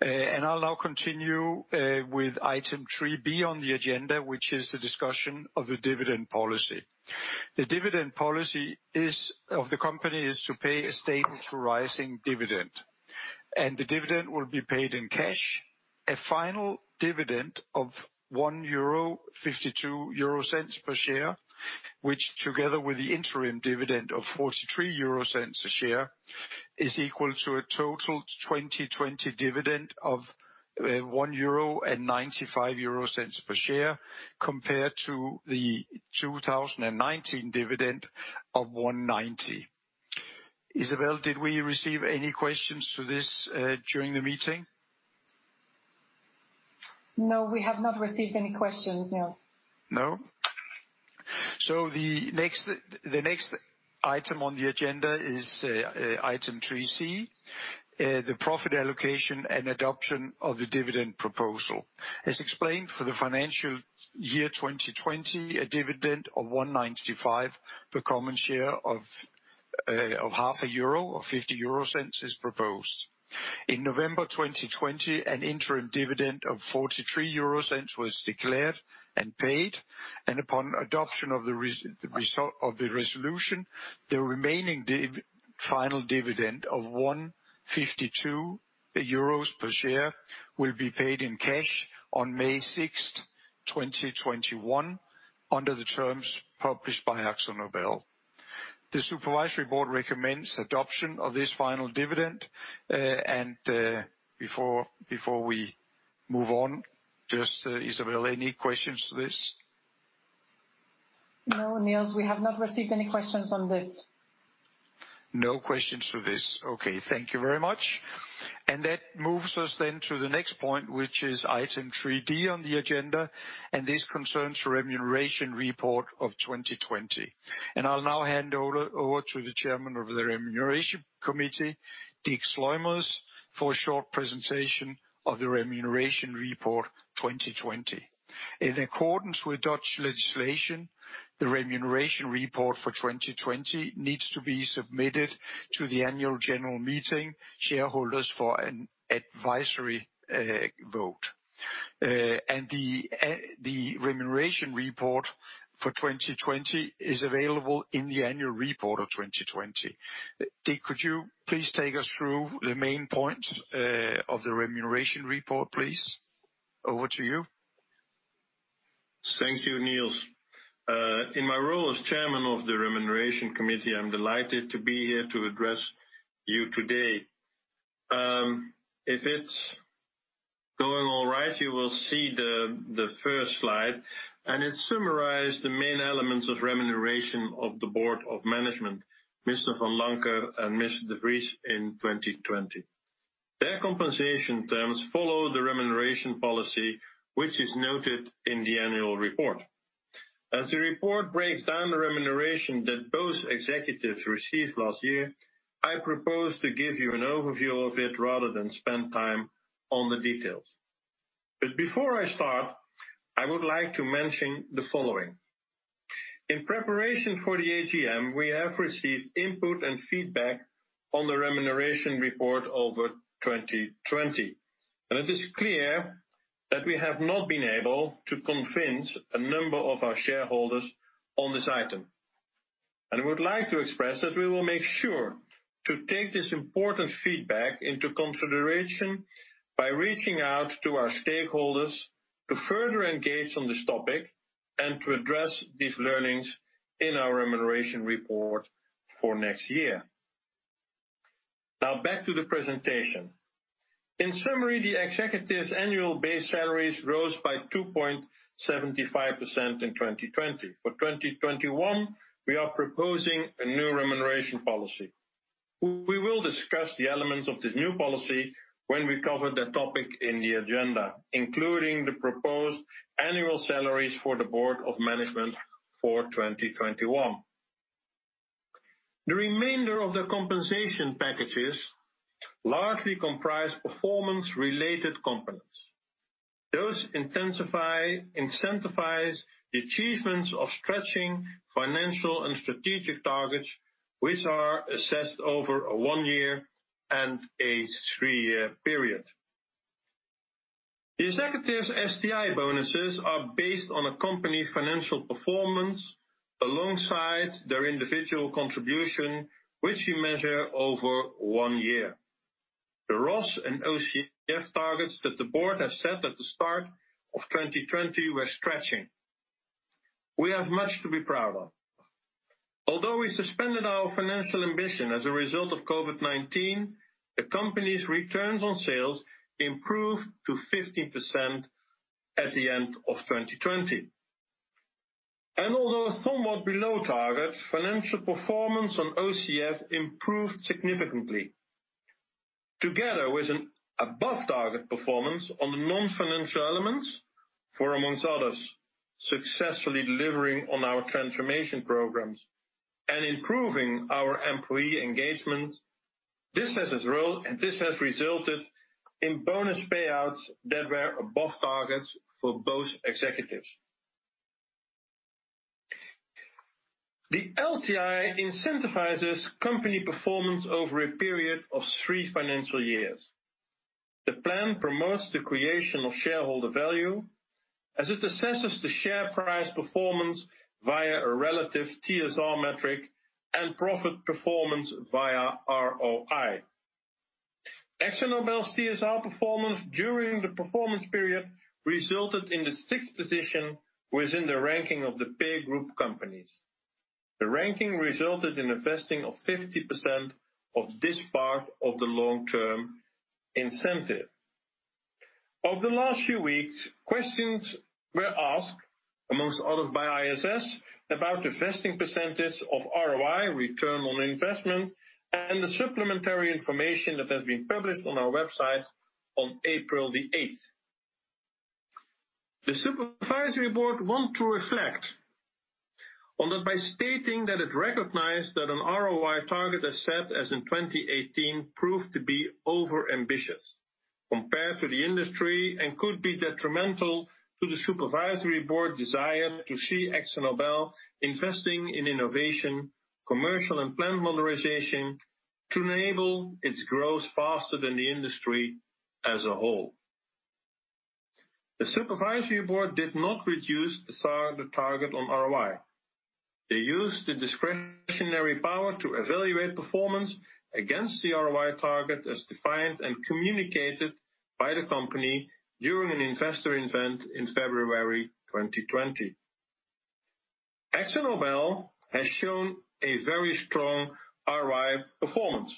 I'll now continue with item 3B on the agenda, which is the discussion of the dividend policy. The dividend policy of the company is to pay a stable to rising dividend. The dividend will be paid in cash, a final dividend of 1.52 euro per share, which together with the interim dividend of 0.43 a share is equal to a total 2020 dividend of 1.95 euro per share compared to the 2019 dividend of 1.90. Isabelle, did we receive any questions to this during the meeting? No, we have not received any questions, Nils. No? The next item on the agenda is item 3C, the profit allocation and adoption of the dividend proposal. As explained, for the financial year 2020, a dividend of 1.95, the common share of 0.50 is proposed. In November 2020, an interim dividend of 0.43 was declared and paid, and upon adoption of the resolution, the remaining final dividend of 1.52 euros per share will be paid in cash on May 6th, 2021, under the terms published by AkzoNobel. The Supervisory Board recommends adoption of this final dividend. Before we move on, just Isabelle, any questions to this? No, Nils, we have not received any questions on this. No questions to this. Okay. Thank you very much. That moves us then to the next point, which is item 3D on the agenda, and this concerns the Remuneration Report of 2020. I'll now hand over to the chairman of the Remuneration Committee, Dick Sluimers, for a short presentation of the Remuneration Report 2020. In accordance with Dutch legislation, the Remuneration Report for 2020 needs to be submitted to the annual general meeting shareholders for an advisory vote, and the Remuneration Report for 2020 is available in the annual report of 2020. Dick, could you please take us through the main points of the Remuneration Report, please? Over to you. Thank you, Nils. In my role as Chairman of the Remuneration Committee, I'm delighted to be here to address you today. If it's going all right, you will see the first slide, and it summarizes the main elements of remuneration of the Board of Management, Mr. Vanlancker and Mr. de Vries in 2020. Their compensation terms follow the remuneration policy, which is noted in the annual report. As the report breaks down the remuneration that both executives received last year, I propose to give you an overview of it rather than spend time on the details, but before I start, I would like to mention the following. In preparation for the AGM, we have received input and feedback on the Remuneration Report of 2020, and it is clear that we have not been able to convince a number of our shareholders on this item, and we would like to express that we will make sure to take this important feedback into consideration by reaching out to our stakeholders to further engage on this topic and to address these learnings in our Remuneration Report for next year. Now, back to the presentation. In summary, the executives' annual base salaries rose by 2.75% in 2020. For 2021, we are proposing a new remuneration policy. We will discuss the elements of this new policy when we cover the topic in the agenda, including the proposed annual salaries for the Board of Management for 2021. The remainder of the compensation packages largely comprise performance-related components. Those incentivize the achievements of stretching financial and strategic targets, which are assessed over a one-year and a three-year period. The executives' STI bonuses are based on a company's financial performance alongside their individual contribution, which we measure over one year. The ROS and OCF targets that the board has set at the start of 2020 were stretching. We have much to be proud of. Although we suspended our financial ambition as a result of COVID-19, the company's returns on sales improved to 15% at the end of 2020. And although somewhat below target, financial performance on OCF improved significantly. Together with an above-target performance on the non-financial elements, for amongst others, successfully delivering on our transformation programs and improving our employee engagement, this has resulted in bonus payouts that were above targets for both executives. The LTI incentivizes company performance over a period of three financial years. The plan promotes the creation of shareholder value as it assesses the share price performance via a relative TSR metric and profit performance via ROI. AkzoNobel's TSR performance during the performance period resulted in the sixth position within the ranking of the pay group companies. The ranking resulted in a vesting of 50% of this part of the long-term incentive. Over the last few weeks, questions were asked, amongst others, by ISS about the vesting percentage of ROI, return on investment, and the supplementary information that has been published on our website on April the 8th. The Supervisory Board want to reflect on that by stating that it recognized that an ROI target as set in 2018 proved to be overambitious compared to the industry and could be detrimental to the Supervisory Board's desire to see AkzoNobel investing in innovation, commercial, and plant modernization to enable its growth faster than the industry as a whole. The Supervisory Board did not reduce the target on ROI. They used the discretionary power to evaluate performance against the ROI target as defined and communicated by the company during an investor event in February 2020. AkzoNobel has shown a very strong ROI performance,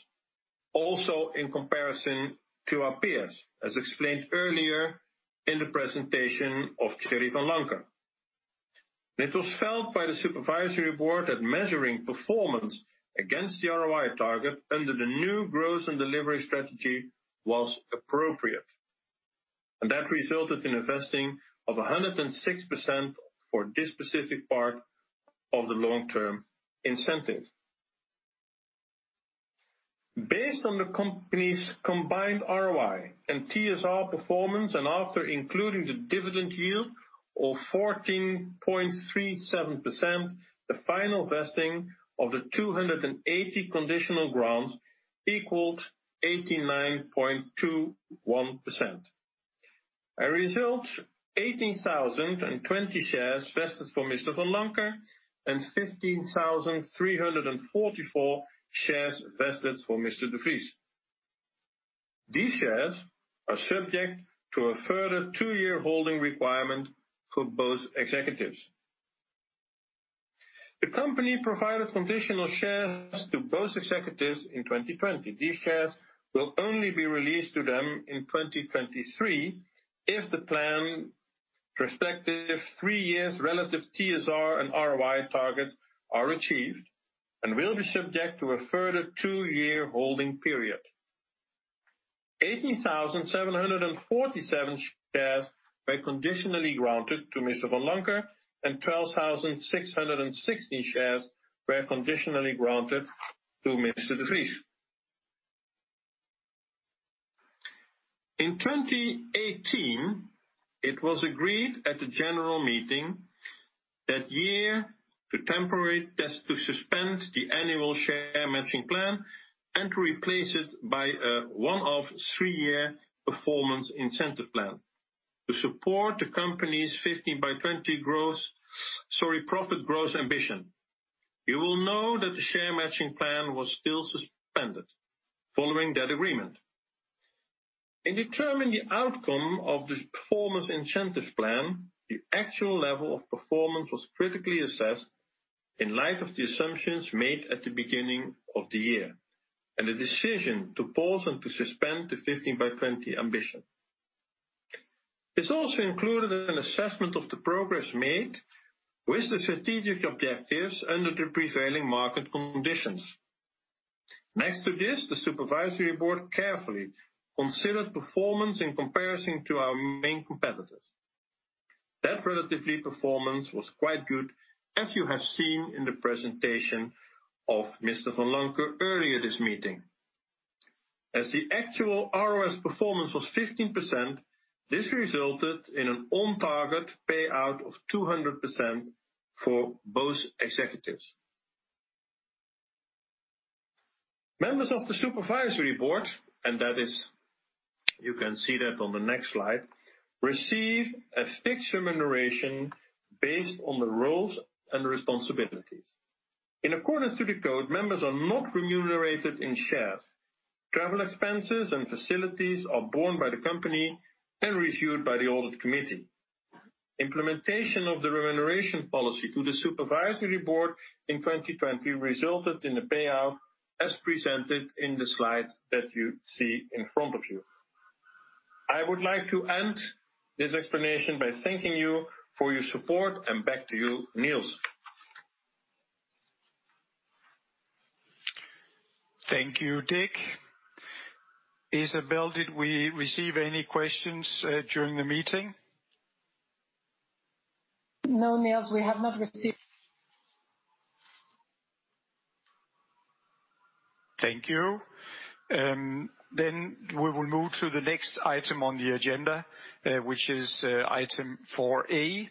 also in comparison to our peers, as explained earlier in the presentation of Thierry Vanlancker. It was felt by the Supervisory Board that measuring performance against the ROI target under the new growth and delivery strategy was appropriate. That resulted in a vesting of 106% for this specific part of the long-term incentive. Based on the company's combined ROI and TSR performance, and after including the dividend yield of 14.37%, the final vesting of the 280 conditional grants equaled 89.21%. As a result, 18,020 shares vested for Mr. Vanlancker and 15,344 shares vested for Mr. de Vries. These shares are subject to a further two-year holding requirement for both executives. The company provided conditional shares to both executives in 2020. These shares will only be released to them in 2023 if the planned prospective three years' relative TSR and ROI targets are achieved and will be subject to a further two-year holding period. 18,747 shares were conditionally granted to Mr. Vanlancker, and 12,616 shares were conditionally granted to Mr. de Vries. In 2018, it was agreed at the general meeting that year to temporarily suspend the annual share matching plan and to replace it by one-off three-year performance incentive plan to support the company's 15 by 20 profit growth ambition. You will know that the share matching plan was still suspended following that agreement. In determining the outcome of the performance incentive plan, the actual level of performance was critically assessed in light of the assumptions made at the beginning of the year and the decision to pause and to suspend the 15 by 20 ambition. It also included an assessment of the progress made with the strategic objectives under the prevailing market conditions. Next to this, the Supervisory Board carefully considered performance in comparison to our main competitors. That relative performance was quite good, as you have seen in the presentation of Mr. Vanlancker earlier this meeting. As the actual ROS performance was 15%, this resulted in an on-target payout of 200% for both executives. Members of the Supervisory Board, and that is, you can see that on the next slide, receive a fixed remuneration based on the roles and responsibilities. In accordance to the code, members are not remunerated in shares. Travel expenses and facilities are borne by the company and reviewed by the Audit Committee. Implementation of the remuneration policy to the Supervisory Board in 2020 resulted in a payout as presented in the slide that you see in front of you. I would like to end this explanation by thanking you for your support, and back to you, Nils. Thank you, Dick. Isabelle, did we receive any questions during the meeting? No, Nils, we have not received. Thank you. Then we will move to the next item on the agenda, which is item 4A.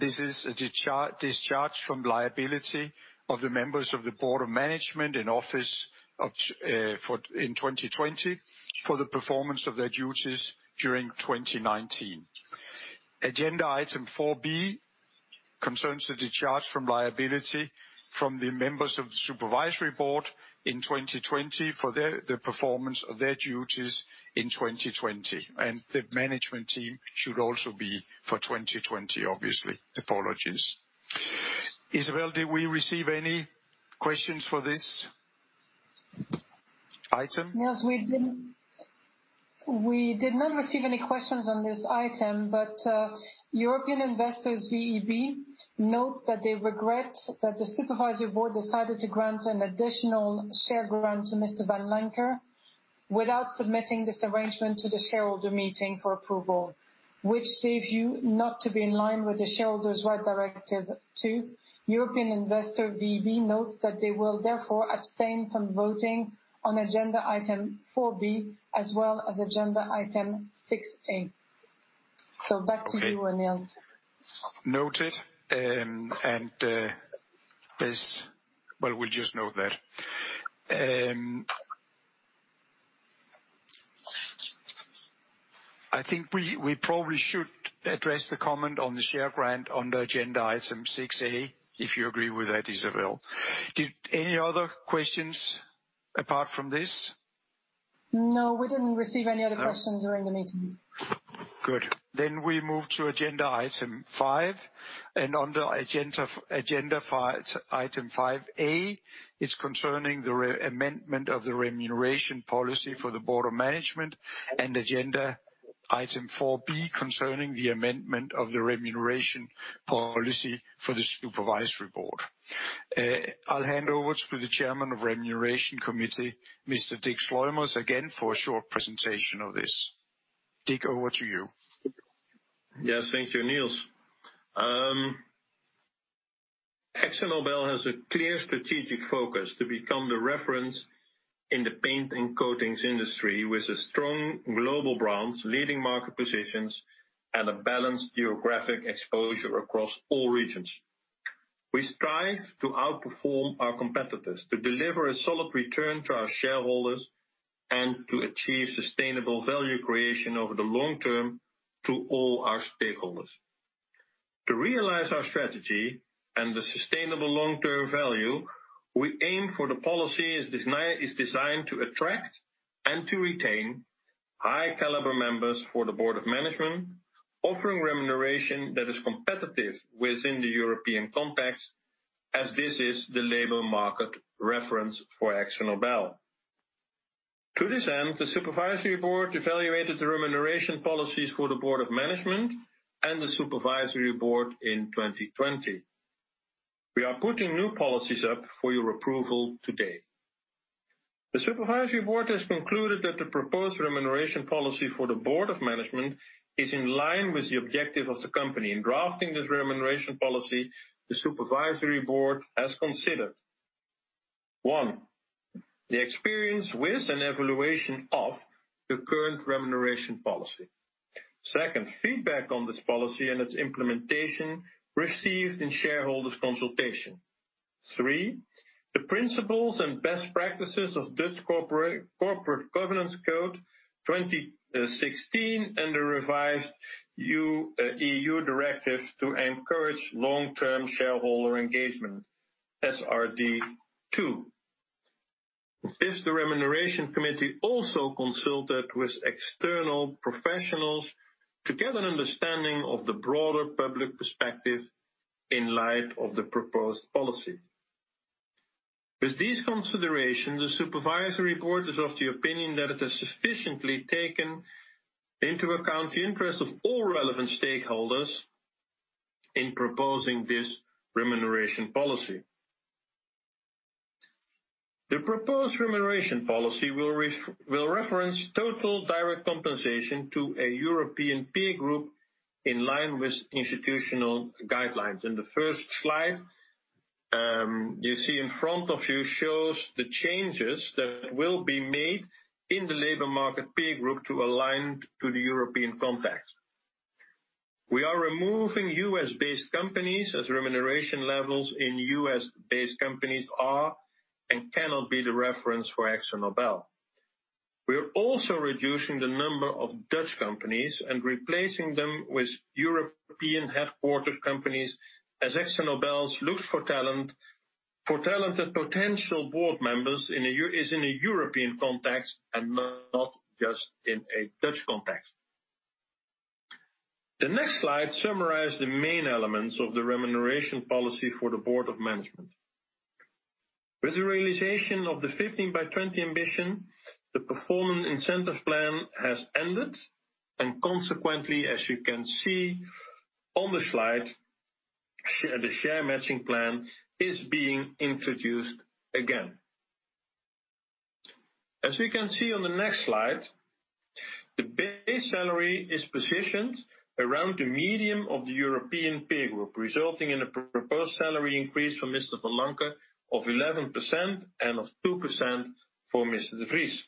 This is a discharge from liability of the members of the Board of Management in office in 2020 for the performance of their duties during 2019. Agenda item 4B concerns the discharge from liability from the members of the Supervisory Board in 2020 for the performance of their duties in 2020. The management team should also be for 2020, obviously. Apologies. Isabelle, did we receive any questions for this item? Nils, we did not receive any questions on this item, but European Investors VEB notes that they regret that the Supervisory Board decided to grant an additional share grant to Mr. Vanlancker without submitting this arrangement to the shareholder meeting for approval, which they view not to be in line with the Shareholders' Rights Directive. The European Investors VEB notes that they will therefore abstain from voting on agenda item 4B as well as agenda item 6A. So back to you, Nils. Noted. And well, we'll just note that. I think we probably should address the comment on the share grant on the agenda item 6A, if you agree with that, Isabelle. Any other questions apart from this? No, we didn't receive any other questions during the meeting. Good. Then we move to agenda item 5. And on the agenda item 5A, it's concerning the amendment of the remuneration policy for the Board of Management and agenda item 4B concerning the amendment of the remuneration policy for the Supervisory Board. I'll hand over to the chairman of the Remuneration Committee, Mr. Dick Sluimers, again for a short presentation of this. Dick, over to you. Yes, thank you, Nils. AkzoNobel has a clear strategic focus to become the reference in the paint and coatings industry with a strong global brand, leading market positions, and a balanced geographic exposure across all regions. We strive to outperform our competitors, to deliver a solid return to our shareholders, and to achieve sustainable value creation over the long term to all our stakeholders. To realize our strategy and the sustainable long-term value, our policy is designed to attract and to retain high-caliber members for the Board of Management, offering remuneration that is competitive within the European context, as this is the labor market reference for AkzoNobel. To this end, the Supervisory Board evaluated the remuneration policies for the Board of Management and the Supervisory Board in 2020. We are putting new policies up for your approval today. The Supervisory Board has concluded that the proposed remuneration policy for the Board of Management is in line with the objective of the company. In drafting this remuneration policy, the Supervisory Board has considered one, the experience with and evaluation of the current remuneration policy. Second, feedback on this policy and its implementation received in shareholders' consultation. Three, the principles and best practices of Dutch Corporate Governance Code 2016 and the revised EU directive to encourage long-term shareholder engagement, SRD II. The Remuneration Committee also consulted with external professionals to get an understanding of the broader public perspective in light of the proposed policy. With these considerations, the Supervisory Board is of the opinion that it has sufficiently taken into account the interests of all relevant stakeholders in proposing this remuneration policy. The proposed remuneration policy will reference total direct compensation to a European pay group in line with institutional guidelines. The first slide you see in front of you shows the changes that will be made in the labor market pay group to align to the European context. We are removing U.S.-based companies as remuneration levels in U.S.-based companies are and cannot be the reference for AkzoNobel. We are also reducing the number of Dutch companies and replacing them with European headquarters companies as AkzoNobel's look for talented potential board members is in a European context and not just in a Dutch context. The next slide summarizes the main elements of the remuneration policy for the Board of Management. With the realization of the 15 by 20 ambition, the performance incentive plan has ended. Consequently, as you can see on the slide, the share matching plan is being introduced again. As you can see on the next slide, the base salary is positioned around the median of the European Pay Group, resulting in a proposed salary increase for Mr. Vanlancker of 11% and of 2% for Mr. de Vries.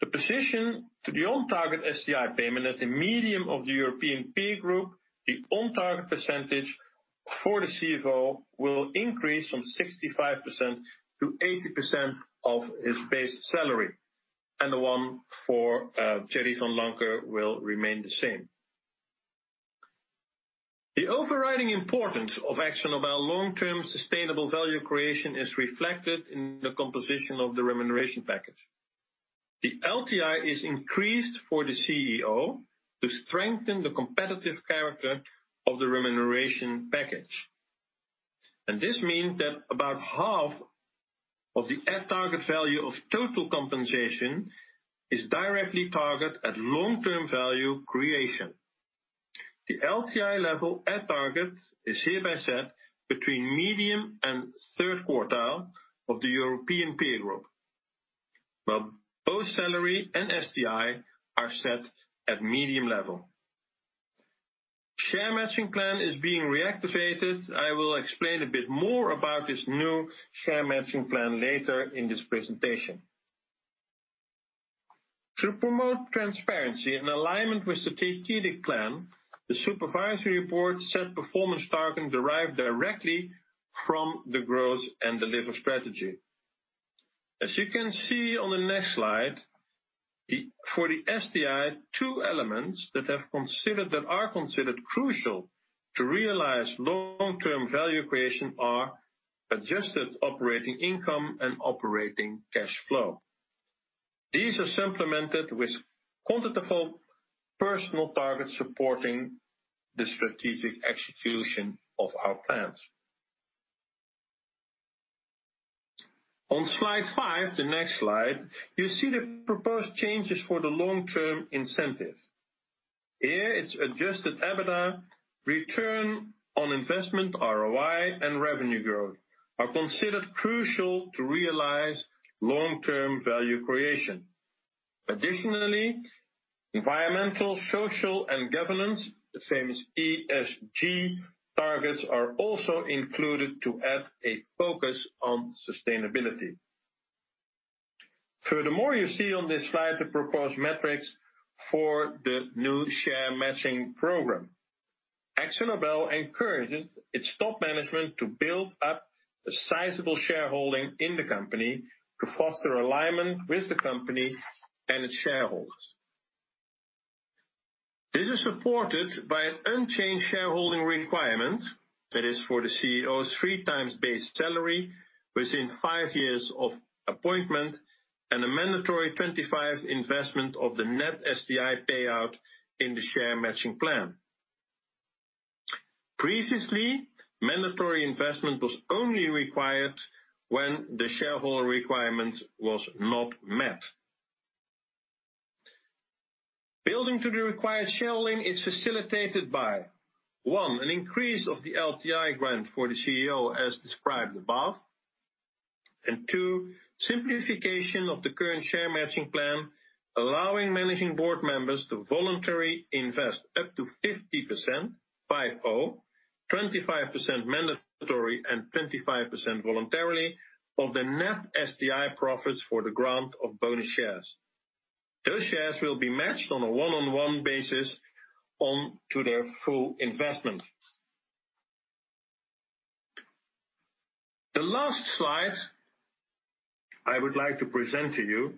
The positioning of the on-target STI payment at the median of the European Pay Group, the on-target percentage for the CFO will increase from 65% to 80% of his base salary. The one for Thierry Vanlancker will remain the same. The overriding importance of AkzoNobel's long-term sustainable value creation is reflected in the composition of the remuneration package. The LTI is increased for the CEO to strengthen the competitive character of the remuneration package. This means that about half of the at-target value of total compensation is directly targeted at long-term value creation. The LTI level at-target is hereby set between medium and third quartile of the European Pay Group. Both salary and STI are set at medium level. Share Matching Plan is being reactivated. I will explain a bit more about this new Share Matching Plan later in this presentation. To promote transparency and alignment with the strategic plan, the Supervisory Board set performance targets derived directly from the Grow and Deliver strategy. As you can see on the next slide, for the STI, two elements that are considered crucial to realize long-term value creation are Adjusted Operating Income and Operating Cash Flow. These are supplemented with quantitative personal targets supporting the strategic execution of our plans. On slide 5, the next slide, you see the proposed changes for the long-term incentive. Here, it's Adjusted EBITDA, return on investment, ROI, and revenue growth are considered crucial to realize long-term value creation. Additionally, environmental, social, and governance, the famous ESG targets are also included to add a focus on sustainability. Furthermore, you see on this slide the proposed metrics for the new share matching program. AkzoNobel encourages its top management to build up a sizable shareholding in the company to foster alignment with the company and its shareholders. This is supported by an unchanged shareholding requirement that is for the CEO's three times base salary within five years of appointment and a mandatory 25% investment of the net STI payout in the share matching plan. Previously, mandatory investment was only required when the shareholder requirement was not met. Building to the required shareholding is facilitated by, one, an increase of the LTI grant for the CEO as described above, and two, simplification of the current share matching plan, allowing managing board members to voluntarily invest up to 50%, 50, 25% mandatory, and 25% voluntarily of the net STI profits for the grant of bonus shares. Those shares will be matched on a one-on-one basis onto their full investment. The last slide I would like to present to you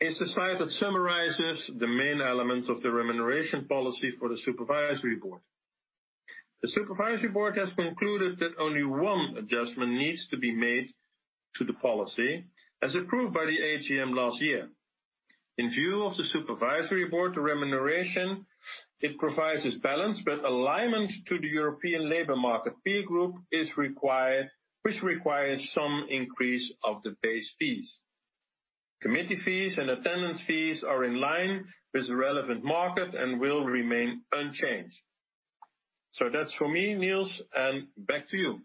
is the slide that summarizes the main elements of the remuneration policy for the Supervisory Board. The Supervisory Board has concluded that only one adjustment needs to be made to the policy as approved by the AGM last year. In view of the Supervisory Board, the remuneration it provides is balanced, but alignment to the European labor market pay group is required, which requires some increase of the base fees. Committee fees and attendance fees are in line with the relevant market and will remain unchanged. So that's for me, Nils, and back to you.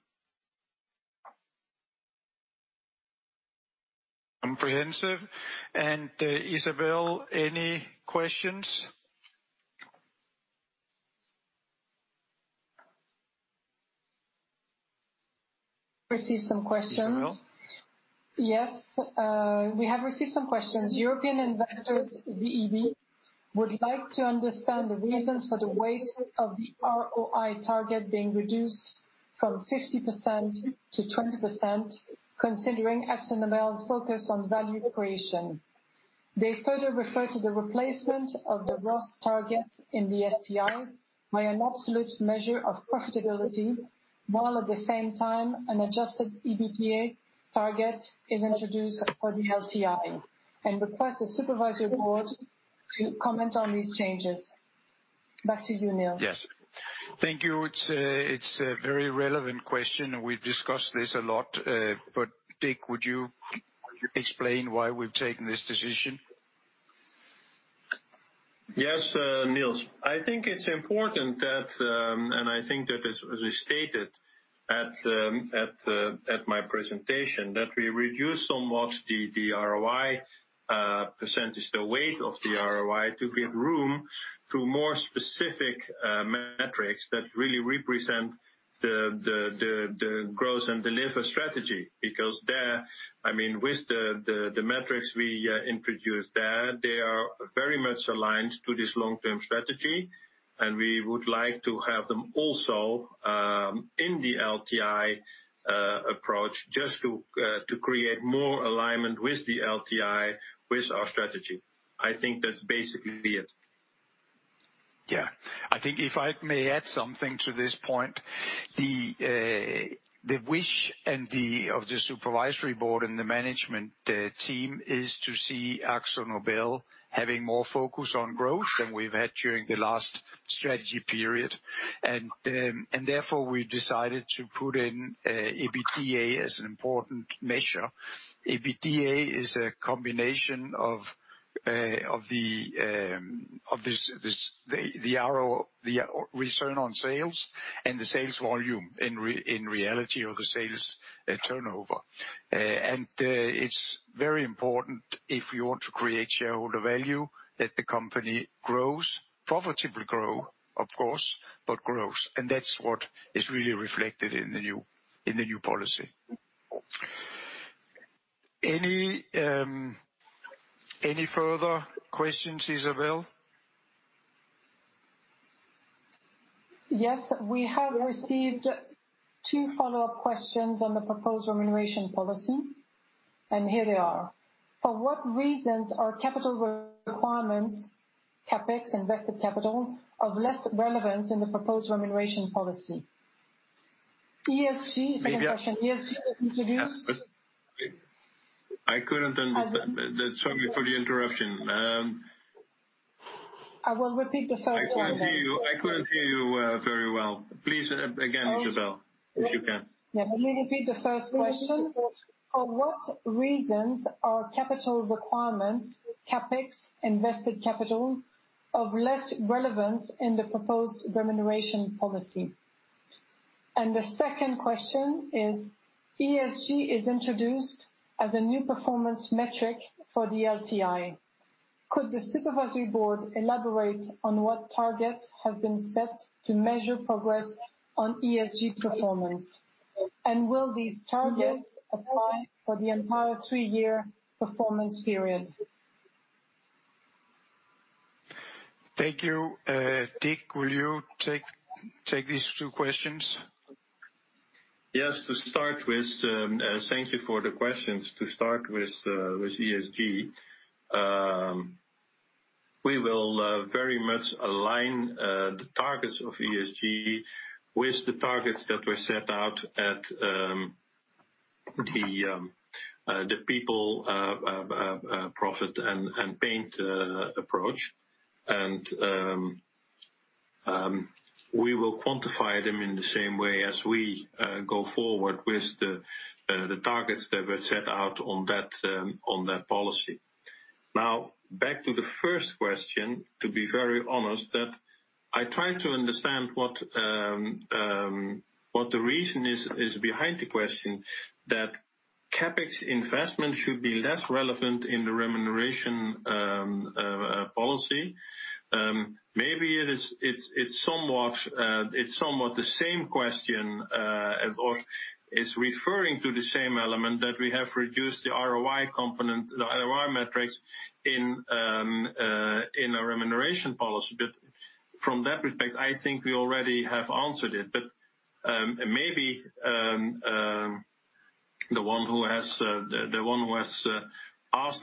Comprehensive. And Isabelle, any questions? Received some questions. Yes, we have received some questions. European Investors VEB would like to understand the reasons for the weight of the ROI target being reduced from 50%-20%, considering AkzoNobel's focus on value creation. They further refer to the replacement of the ROS target in the STI by an absolute measure of profitability, while at the same time, an adjusted EBITDA target is introduced for the LTI and requests the Supervisory Board to comment on these changes. Back to you, Nils. Yes. Thank you. It's a very relevant question. We've discussed this a lot. But Dick, would you explain why we've taken this decision? Yes, Nils. I think it's important that, and I think that it was stated at my presentation, that we reduce somewhat the ROI percentage, the weight of the ROI, to give room to more specific metrics that really represent the Grow and Deliver strategy. Because there, I mean, with the metrics we introduced there, they are very much aligned to this long-term strategy. And we would like to have them also in the LTI approach just to create more alignment with the LTI with our strategy. I think that's basically it. Yeah. I think if I may add something to this point, the wish of the Supervisory Board and the management team is to see AkzoNobel having more focus on growth than we've had during the last strategy period. And therefore, we decided to put in EBITDA as an important measure. EBITDA is a combination of the return on sales and the sales volume in reality, or the sales turnover. And it's very important if we want to create shareholder value that the company grows, profitably grow, of course, but grows. And that's what is really reflected in the new policy. Any further questions, Isabelle? Yes. We have received two follow-up questions on the proposed remuneration policy. And here they are. For what reasons are capital requirements, CapEx, invested capital, of less relevance in the proposed remuneration policy? ESG is the question. ESG is introduced. I couldn't understand. Sorry for the interruption. I will repeat the first one. I couldn't hear you very well. Please, again, Isabelle, if you can. Yeah. Let me repeat the first question. For what reasons are capital requirements, CapEx, invested capital, of less relevance in the proposed remuneration policy? And the second question is, ESG is introduced as a new performance metric for the LTI. Could the Supervisory Board elaborate on what targets have been set to measure progress on ESG performance? And will these targets apply for the entire three-year performance period? Thank you. Dick, will you take these two questions? Yes. To start with, thank you for the questions. To start with ESG, we will very much align the targets of ESG with the targets that were set out at the People. Planet. Paint. approach. And we will quantify them in the same way as we go forward with the targets that were set out on that policy. Now, back to the first question. To be very honest, I tried to understand what the reason is behind the question that CapEx investment should be less relevant in the remuneration policy. Maybe it's somewhat the same question as it's referring to the same element that we have reduced the ROI component, the ROI metrics in our remuneration policy. But from that respect, I think we already have answered it. But maybe the one who has asked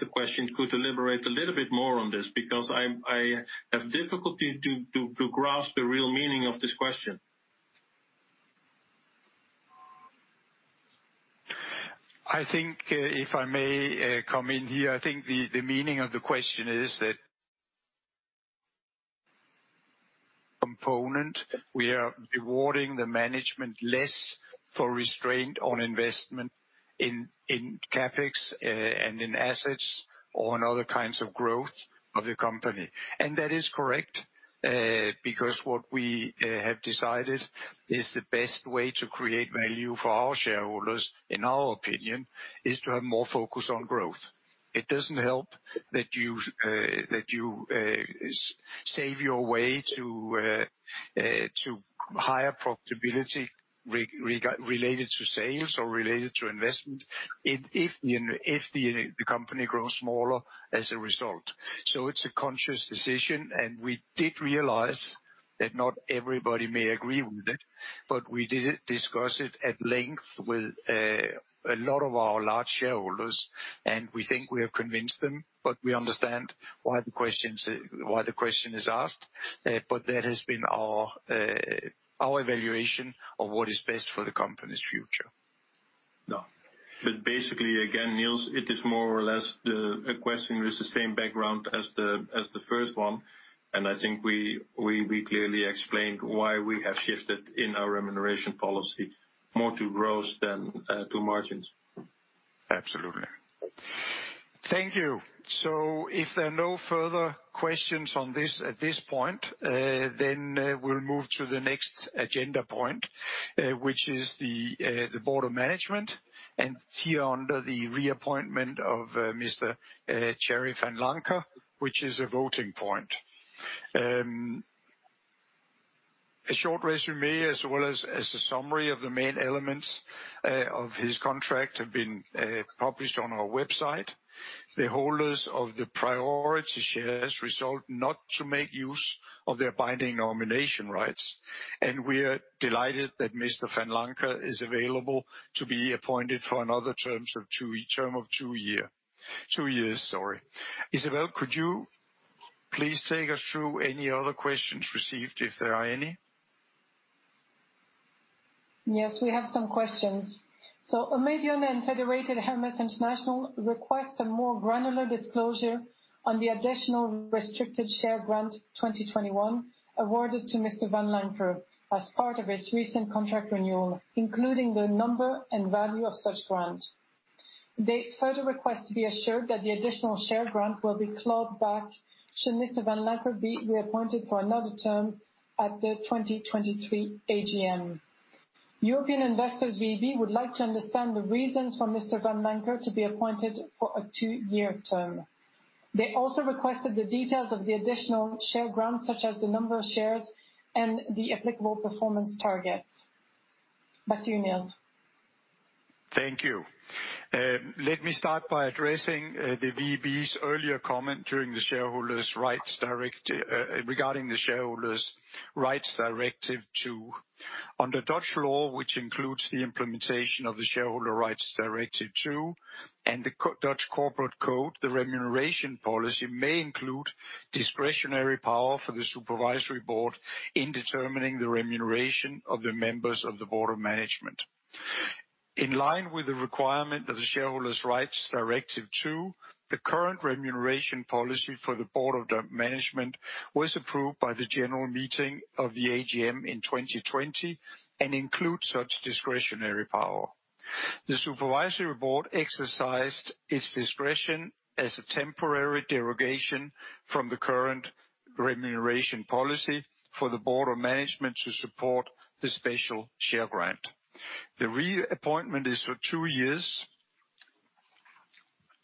the question could elaborate a little bit more on this because I have difficulty to grasp the real meaning of this question. I think, if I may come in here, I think the meaning of the question is that component, we are rewarding the management less for restraint on investment in CapEx and in assets or in other kinds of growth of the company. That is correct because what we have decided is the best way to create value for our shareholders, in our opinion, is to have more focus on growth. It doesn't help that you save your way to higher profitability related to sales or related to investment if the company grows smaller as a result. So it's a conscious decision. And we did realize that not everybody may agree with it, but we did discuss it at length with a lot of our large shareholders. And we think we have convinced them, but we understand why the question is asked. But that has been our evaluation of what is best for the company's future. No. But basically, again, Nils, it is more or less a question with the same background as the first one. I think we clearly explained why we have shifted in our remuneration policy more to growth than to margins. Absolutely. Thank you. If there are no further questions on this at this point, then we'll move to the next agenda point, which is the Board of Management. Here, under the reappointment of Mr. Thierry Vanlancker, which is a voting point. A short résumé, as well as a summary of the main elements of his contract, have been published on our website. The holders of the priority shares resolved not to make use of their binding nomination rights. We are delighted that Mr. Vanlancker is available to be appointed for another term of two years. Sorry. Isabelle, could you please take us through any other questions received if there are any? Yes, we have some questions. Eumedion and Federated Hermes request a more granular disclosure on the additional restricted share grant 2021 awarded to Mr. Vanlancker as part of his recent contract renewal, including the number and value of such grant. They further request to be assured that the additional share grant will be clawed back should Mr. Vanlancker be reappointed for another term at the 2023 AGM. European Investors VEB would like to understand the reasons for Mr. Vanlancker to be appointed for a two-year term. They also requested the details of the additional share grant, such as the number of shares and the applicable performance targets. Back to you, Nils. Thank you. Let me start by addressing the VEB's earlier comment regarding the Shareholders' Rights Directive II. Under Dutch law, which includes the implementation of the Shareholders' Rights Directive II and the Dutch corporate code, the remuneration policy may include discretionary power for the Supervisory Board in determining the remuneration of the members of the Board of Management. In line with the requirement of the Shareholders' Rights Directive II, the current remuneration policy for the Board of Management was approved by the general meeting of the AGM in 2020 and includes such discretionary power. The Supervisory Board exercised its discretion as a temporary derogation from the current remuneration policy for the Board of Management to support the special share grant. The reappointment is for two years.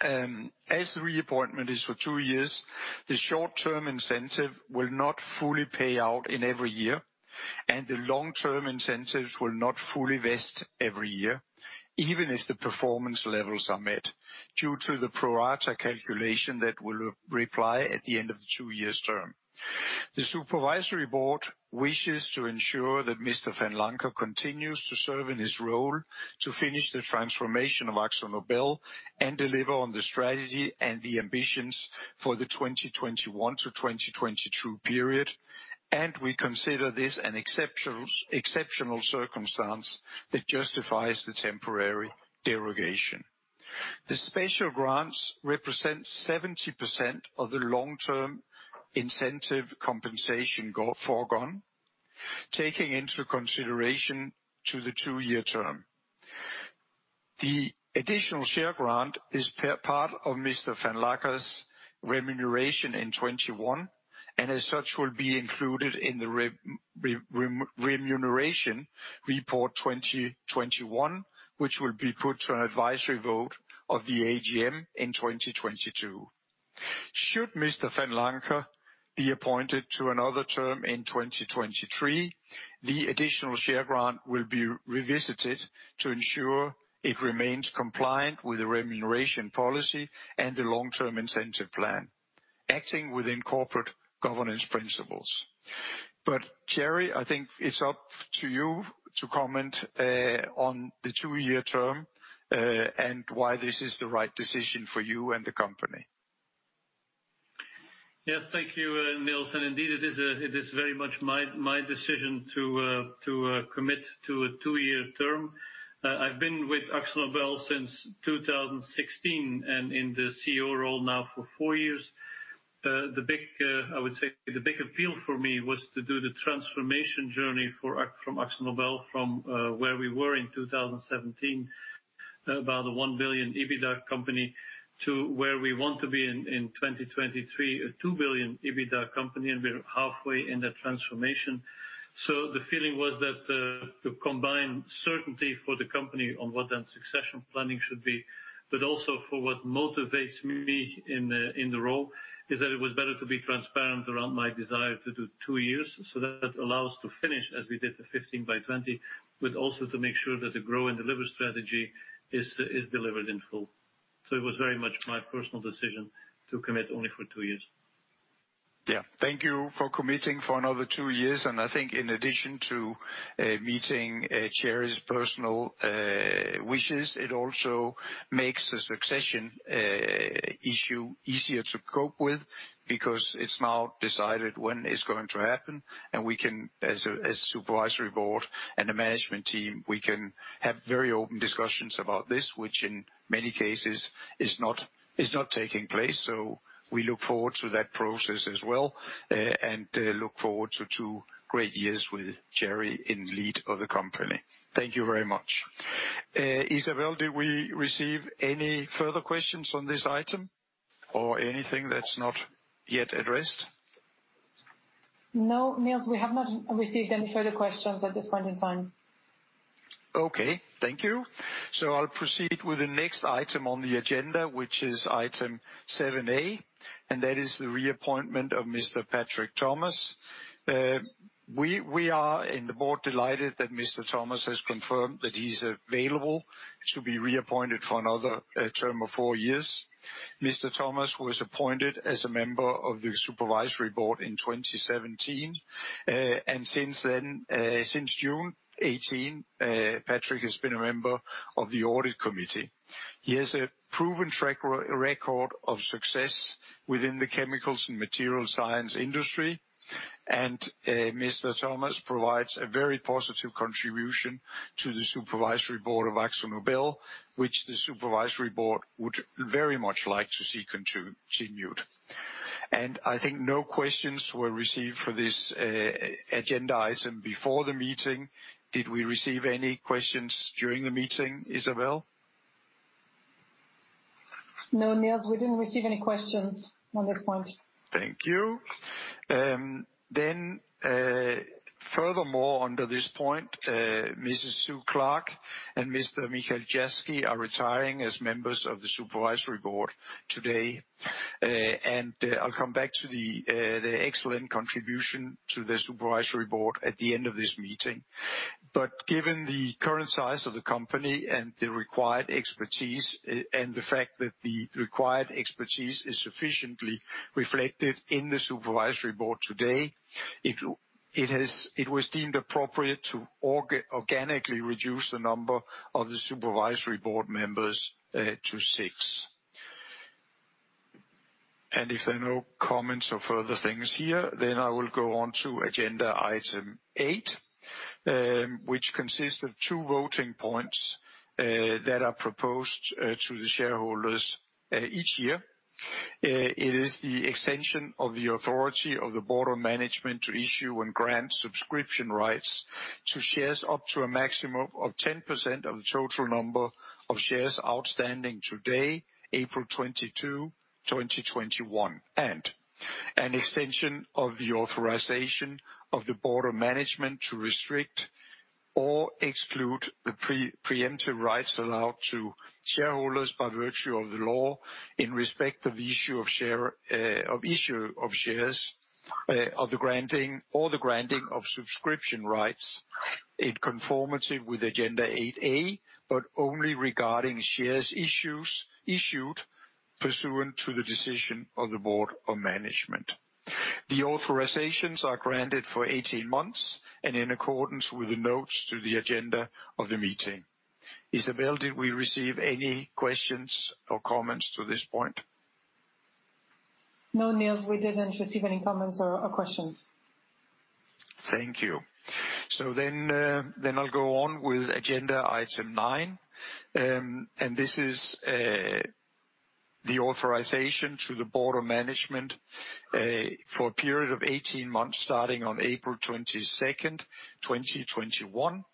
As the reappointment is for two years, the short-term incentive will not fully pay out in every year, and the long-term incentives will not fully vest every year, even if the performance levels are met due to the pro-rata calculation that will apply at the end of the two-year term. The Supervisory Board wishes to ensure that Mr. Vanlancker continues to serve in his role to finish the transformation of AkzoNobel and deliver on the strategy and the ambitions for the 2021 to 2022 period. And we consider this an exceptional circumstance that justifies the temporary derogation. The special grants represent 70% of the long-term incentive compensation foregone, taking into consideration the two-year term. The additional share grant is part of Mr. Vanlancker's remuneration in 2021, and as such, will be included in the Remuneration Report 2021, which will be put to an advisory vote of the AGM in 2022. Should Mr. Vanlancker be appointed to another term in 2023, the additional share grant will be revisited to ensure it remains compliant with the remuneration policy and the long-term incentive plan, acting within corporate governance principles. But Thierry, I think it's up to you to comment on the two-year term and why this is the right decision for you and the company. Yes. Thank you, Nils. And indeed, it is very much my decision to commit to a two-year term. I've been with AkzoNobel since 2016 and in the CEO role now for four years. I would say the big appeal for me was to do the transformation journey from AkzoNobel, from where we were in 2017, about a 1 billion EBITDA company, to where we want to be in 2023, a 2 billion EBITDA company. And we're halfway in that transformation. So the feeling was that to combine certainty for the company on what then succession planning should be, but also for what motivates me in the role, is that it was better to be transparent around my desire to do two years. So that allows us to finish as we did the 15 by 20, but also to make sure that the Grow and Deliver strategy is delivered in full. So it was very much my personal decision to commit only for two years. Yeah. Thank you for committing for another two years. I think in addition to meeting Thierry's personal wishes, it also makes the succession issue easier to cope with because it's now decided when it's going to happen. As a Supervisory Board and a management team, we can have very open discussions about this, which in many cases is not taking place. We look forward to that process as well and look forward to two great years with Thierry in lead of the company. Thank you very much. Isabelle, did we receive any further questions on this item or anything that's not yet addressed? No, Nils, we have not received any further questions at this point in time. Okay. Thank you. I'll proceed with the next item on the agenda, which is item 7A, and that is the reappointment of Mr. Patrick Thomas. We are in the board delighted that Mr. Thomas has confirmed that he's available to be reappointed for another term of four years. Mr. Thomas was appointed as a member of the Supervisory Board in 2017, and since June 2018, Patrick has been a member of the Audit Committee. He has a proven track record of success within the chemicals and materials science industry, and Mr. Thomas provides a very positive contribution to the Supervisory Board of AkzoNobel, which the Supervisory Board would very much like to see continued, and I think no questions were received for this agenda item before the meeting. Did we receive any questions during the meeting, Isabelle? No, Nils, we didn't receive any questions on this point. Thank you. Then furthermore, under this point, Mrs. Sue Clark and Mr. Michiel Jaski are retiring as members of the Supervisory Board today. And I'll come back to the excellent contribution to the Supervisory Board at the end of this meeting. But given the current size of the company and the required expertise and the fact that the required expertise is sufficiently reflected in the Supervisory Board today, it was deemed appropriate to organically reduce the number of the Supervisory Board members to six. And if there are no comments or further things here, then I will go on to agenda item 8, which consists of two voting points that are proposed to the shareholders each year. It is the extension of the authority of the Board of Management to issue and grant subscription rights to shares up to a maximum of 10% of the total number of shares outstanding today, April 22, 2021. An extension of the authorization of the Board of Management to restrict or exclude the preemptive rights allowed to shareholders by virtue of the law in respect of the issue of shares of the granting or the granting of subscription rights in conformity with agenda 8A, but only regarding shares issued pursuant to the decision of the Board of Management. The authorizations are granted for 18 months and in accordance with the notes to the agenda of the meeting. Isabelle, did we receive any questions or comments to this point? No, Nils, we didn't receive any comments or questions. Thank you. Then I'll go on with agenda item 9. This is the authorization to the Board of Management for a period of 18 months starting on April 22nd, 2021,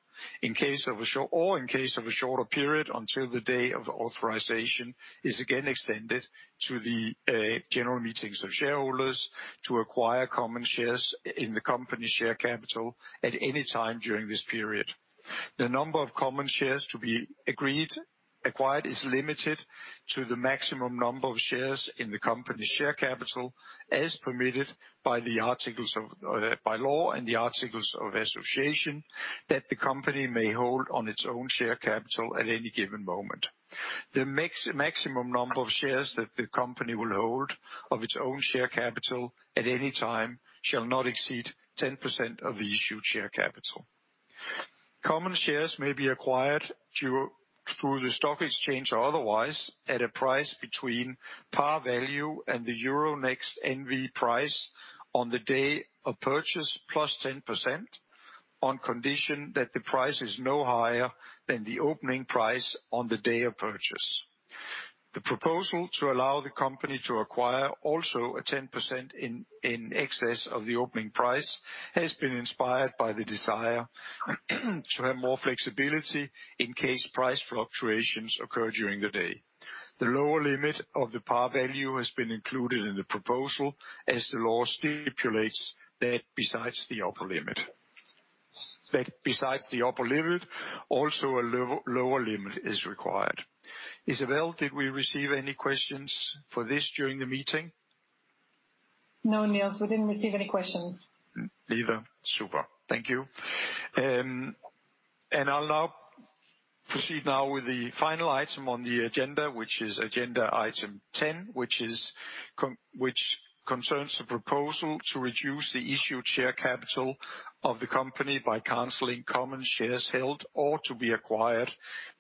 in case of a shorter period until the day of authorization is again extended to the general meetings of shareholders to acquire common shares in the company's share capital at any time during this period. The number of common shares to be acquired is limited to the maximum number of shares in the company's share capital as permitted by the articles of law and the articles of association that the company may hold on its own share capital at any given moment. The maximum number of shares that the company will hold of its own share capital at any time shall not exceed 10% of the issued share capital. Common shares may be acquired through the stock exchange or otherwise at a price between par value and the Euronext NV price on the day of purchase plus 10% on condition that the price is no higher than the opening price on the day of purchase. The proposal to allow the company to acquire also a 10% in excess of the opening price has been inspired by the desire to have more flexibility in case price fluctuations occur during the day. The lower limit of the par value has been included in the proposal as the law stipulates that besides the upper limit, also a lower limit is required. Isabelle, did we receive any questions for this during the meeting? No, Nils, we didn't receive any questions. Neither. Super. Thank you. I will now proceed with the final item on the agenda, which is agenda item 10, which concerns the proposal to reduce the issued share capital of the company by canceling common shares held or to be acquired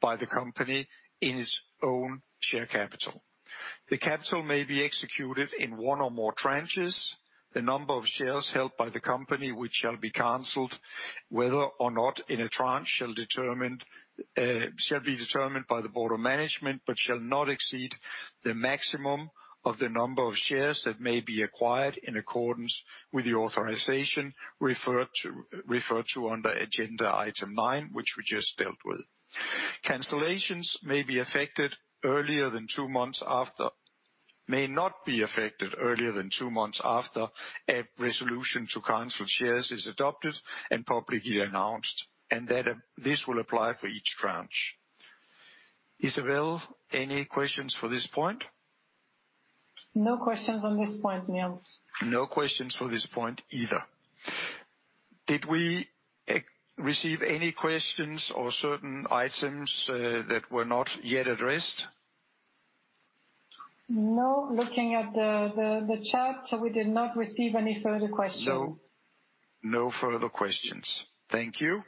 by the company in its own share capital. The cancellation may be executed in one or more tranches. The number of shares held by the company which shall be canceled, whether or not in a tranche, shall be determined by the Board of Management but shall not exceed the maximum of the number of shares that may be acquired in accordance with the authorization referred to under agenda item 9, which we just dealt with. Cancellations may not be effected earlier than two months after a resolution to cancel shares is adopted and publicly announced, and this will apply for each tranche. Isabelle, any questions for this point? No questions on this point, Nils. No questions for this point either. Did we receive any questions or certain items that were not yet addressed? No, looking at the chart, we did not receive any further questions. No further questions. Thank you.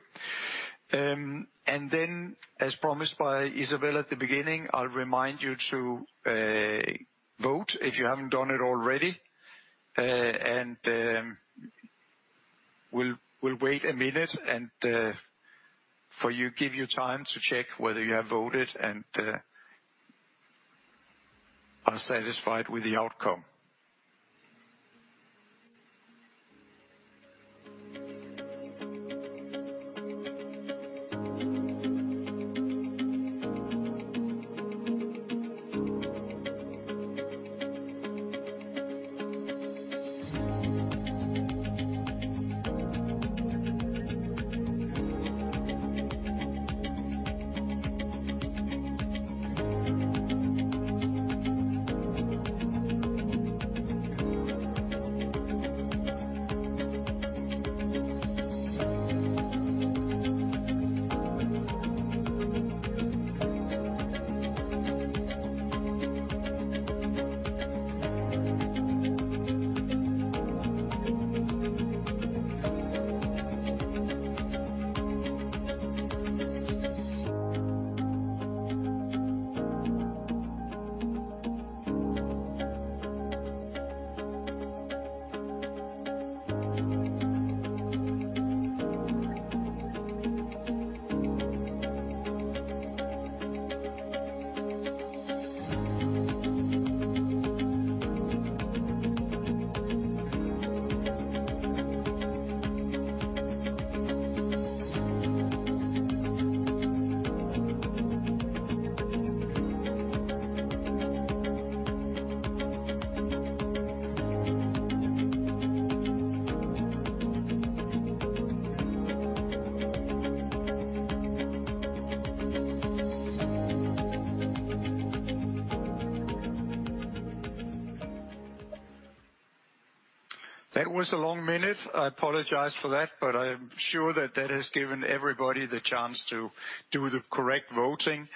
And then, as promised by Isabelle at the beginning, I'll remind you to vote if you haven't done it already. And we'll wait a minute for you to give your time to check whether you have voted and are satisfied with the outcome. That was a long minute. I apologize for that, but I'm sure that that has given everybody the chance to do the correct voting.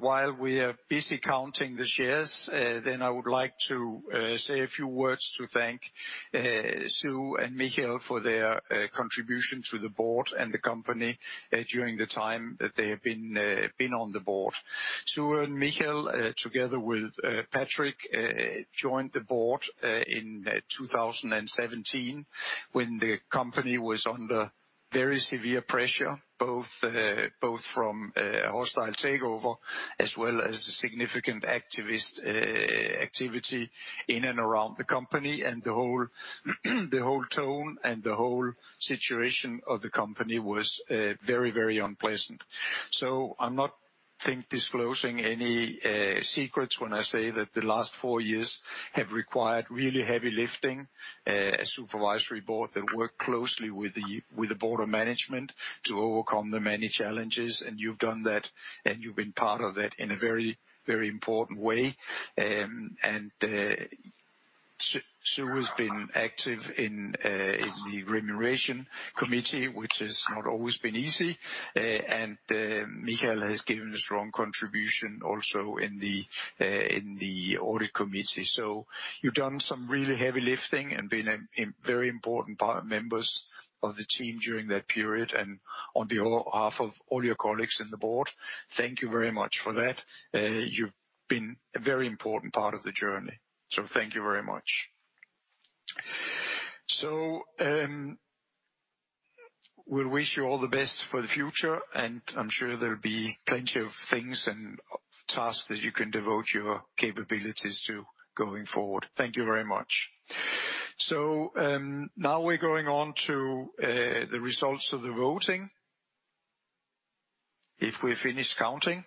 While we are busy counting the shares, then I would like to say a few words to thank Sue and Michiel for their contribution to the board and the company during the time that they have been on the board. Sue and Michiel, together with Patrick, joined the board in 2017 when the company was under very severe pressure, both from a hostile takeover as well as significant activity in and around the company. The whole tone and the whole situation of the company was very, very unpleasant. I'm not disclosing any secrets when I say that the last four years have required really heavy lifting. A Supervisory Board that worked closely with the Board of Management to overcome the many challenges. You've done that, and you've been part of that in a very, very important way. Sue has been active in the Remuneration Committee, which has not always been easy. Michiel has given a strong contribution also in the Audit Committee. You've done some really heavy lifting and been a very important part of members of the team during that period and on behalf of all your colleagues in the board. Thank you very much for that. You've been a very important part of the journey. Thank you very much. We'll wish you all the best for the future, and I'm sure there'll be plenty of things and tasks that you can devote your capabilities to going forward. Thank you very much. Now we're going on to the results of the voting. If we've finished counting,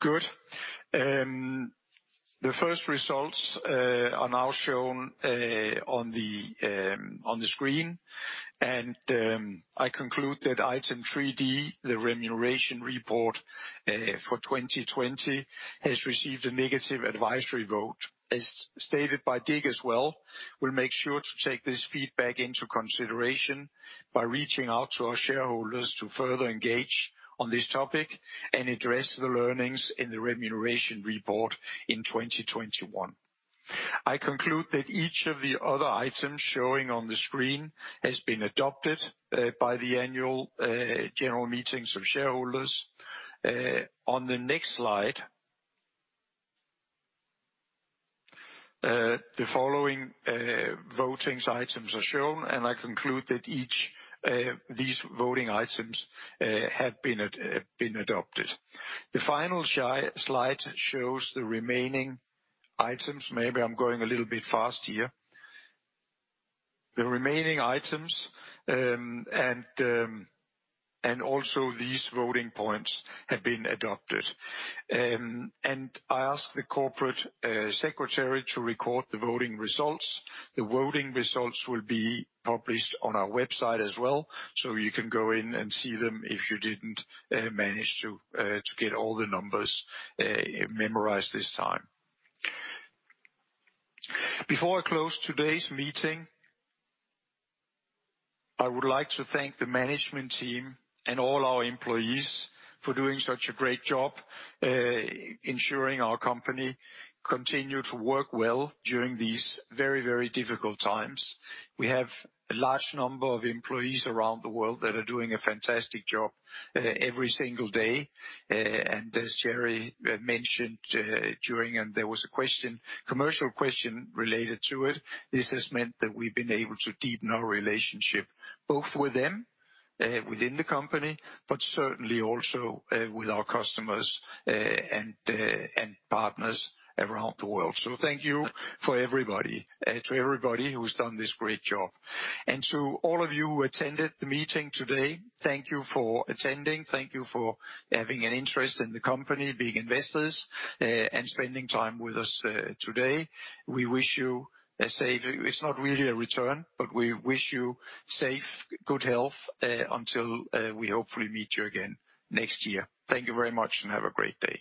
good. The first results are now shown on the screen. I conclude that item 3D, the Remuneration Report for 2020, has received a negative advisory vote. As stated by Dick as well, we'll make sure to take this feedback into consideration by reaching out to our shareholders to further engage on this topic and address the learnings in the Remuneration Report in 2021. I conclude that each of the other items showing on the screen has been adopted by the annual general meetings of shareholders. On the next slide, the following voting items are shown, and I conclude that these voting items have been adopted. The final slide shows the remaining items. Maybe I'm going a little bit fast here. The remaining items and also these voting points have been adopted. I ask the Corporate Secretary to record the voting results. The voting results will be published on our website as well, so you can go in and see them if you didn't manage to get all the numbers memorized this time. Before I close today's meeting, I would like to thank the management team and all our employees for doing such a great job ensuring our company continues to work well during these very, very difficult times. We have a large number of employees around the world that are doing a fantastic job every single day. And as Thierry mentioned during, and there was a commercial question related to it, this has meant that we've been able to deepen our relationship both with them within the company, but certainly also with our customers and partners around the world. So thank you for everybody, to everybody who's done this great job. To all of you who attended the meeting today, thank you for attending. Thank you for having an interest in the company, being investors, and spending time with us today. We wish you a safe. It's not really a return, but we wish you safe, good health until we hopefully meet you again next year. Thank you very much, and have a great day.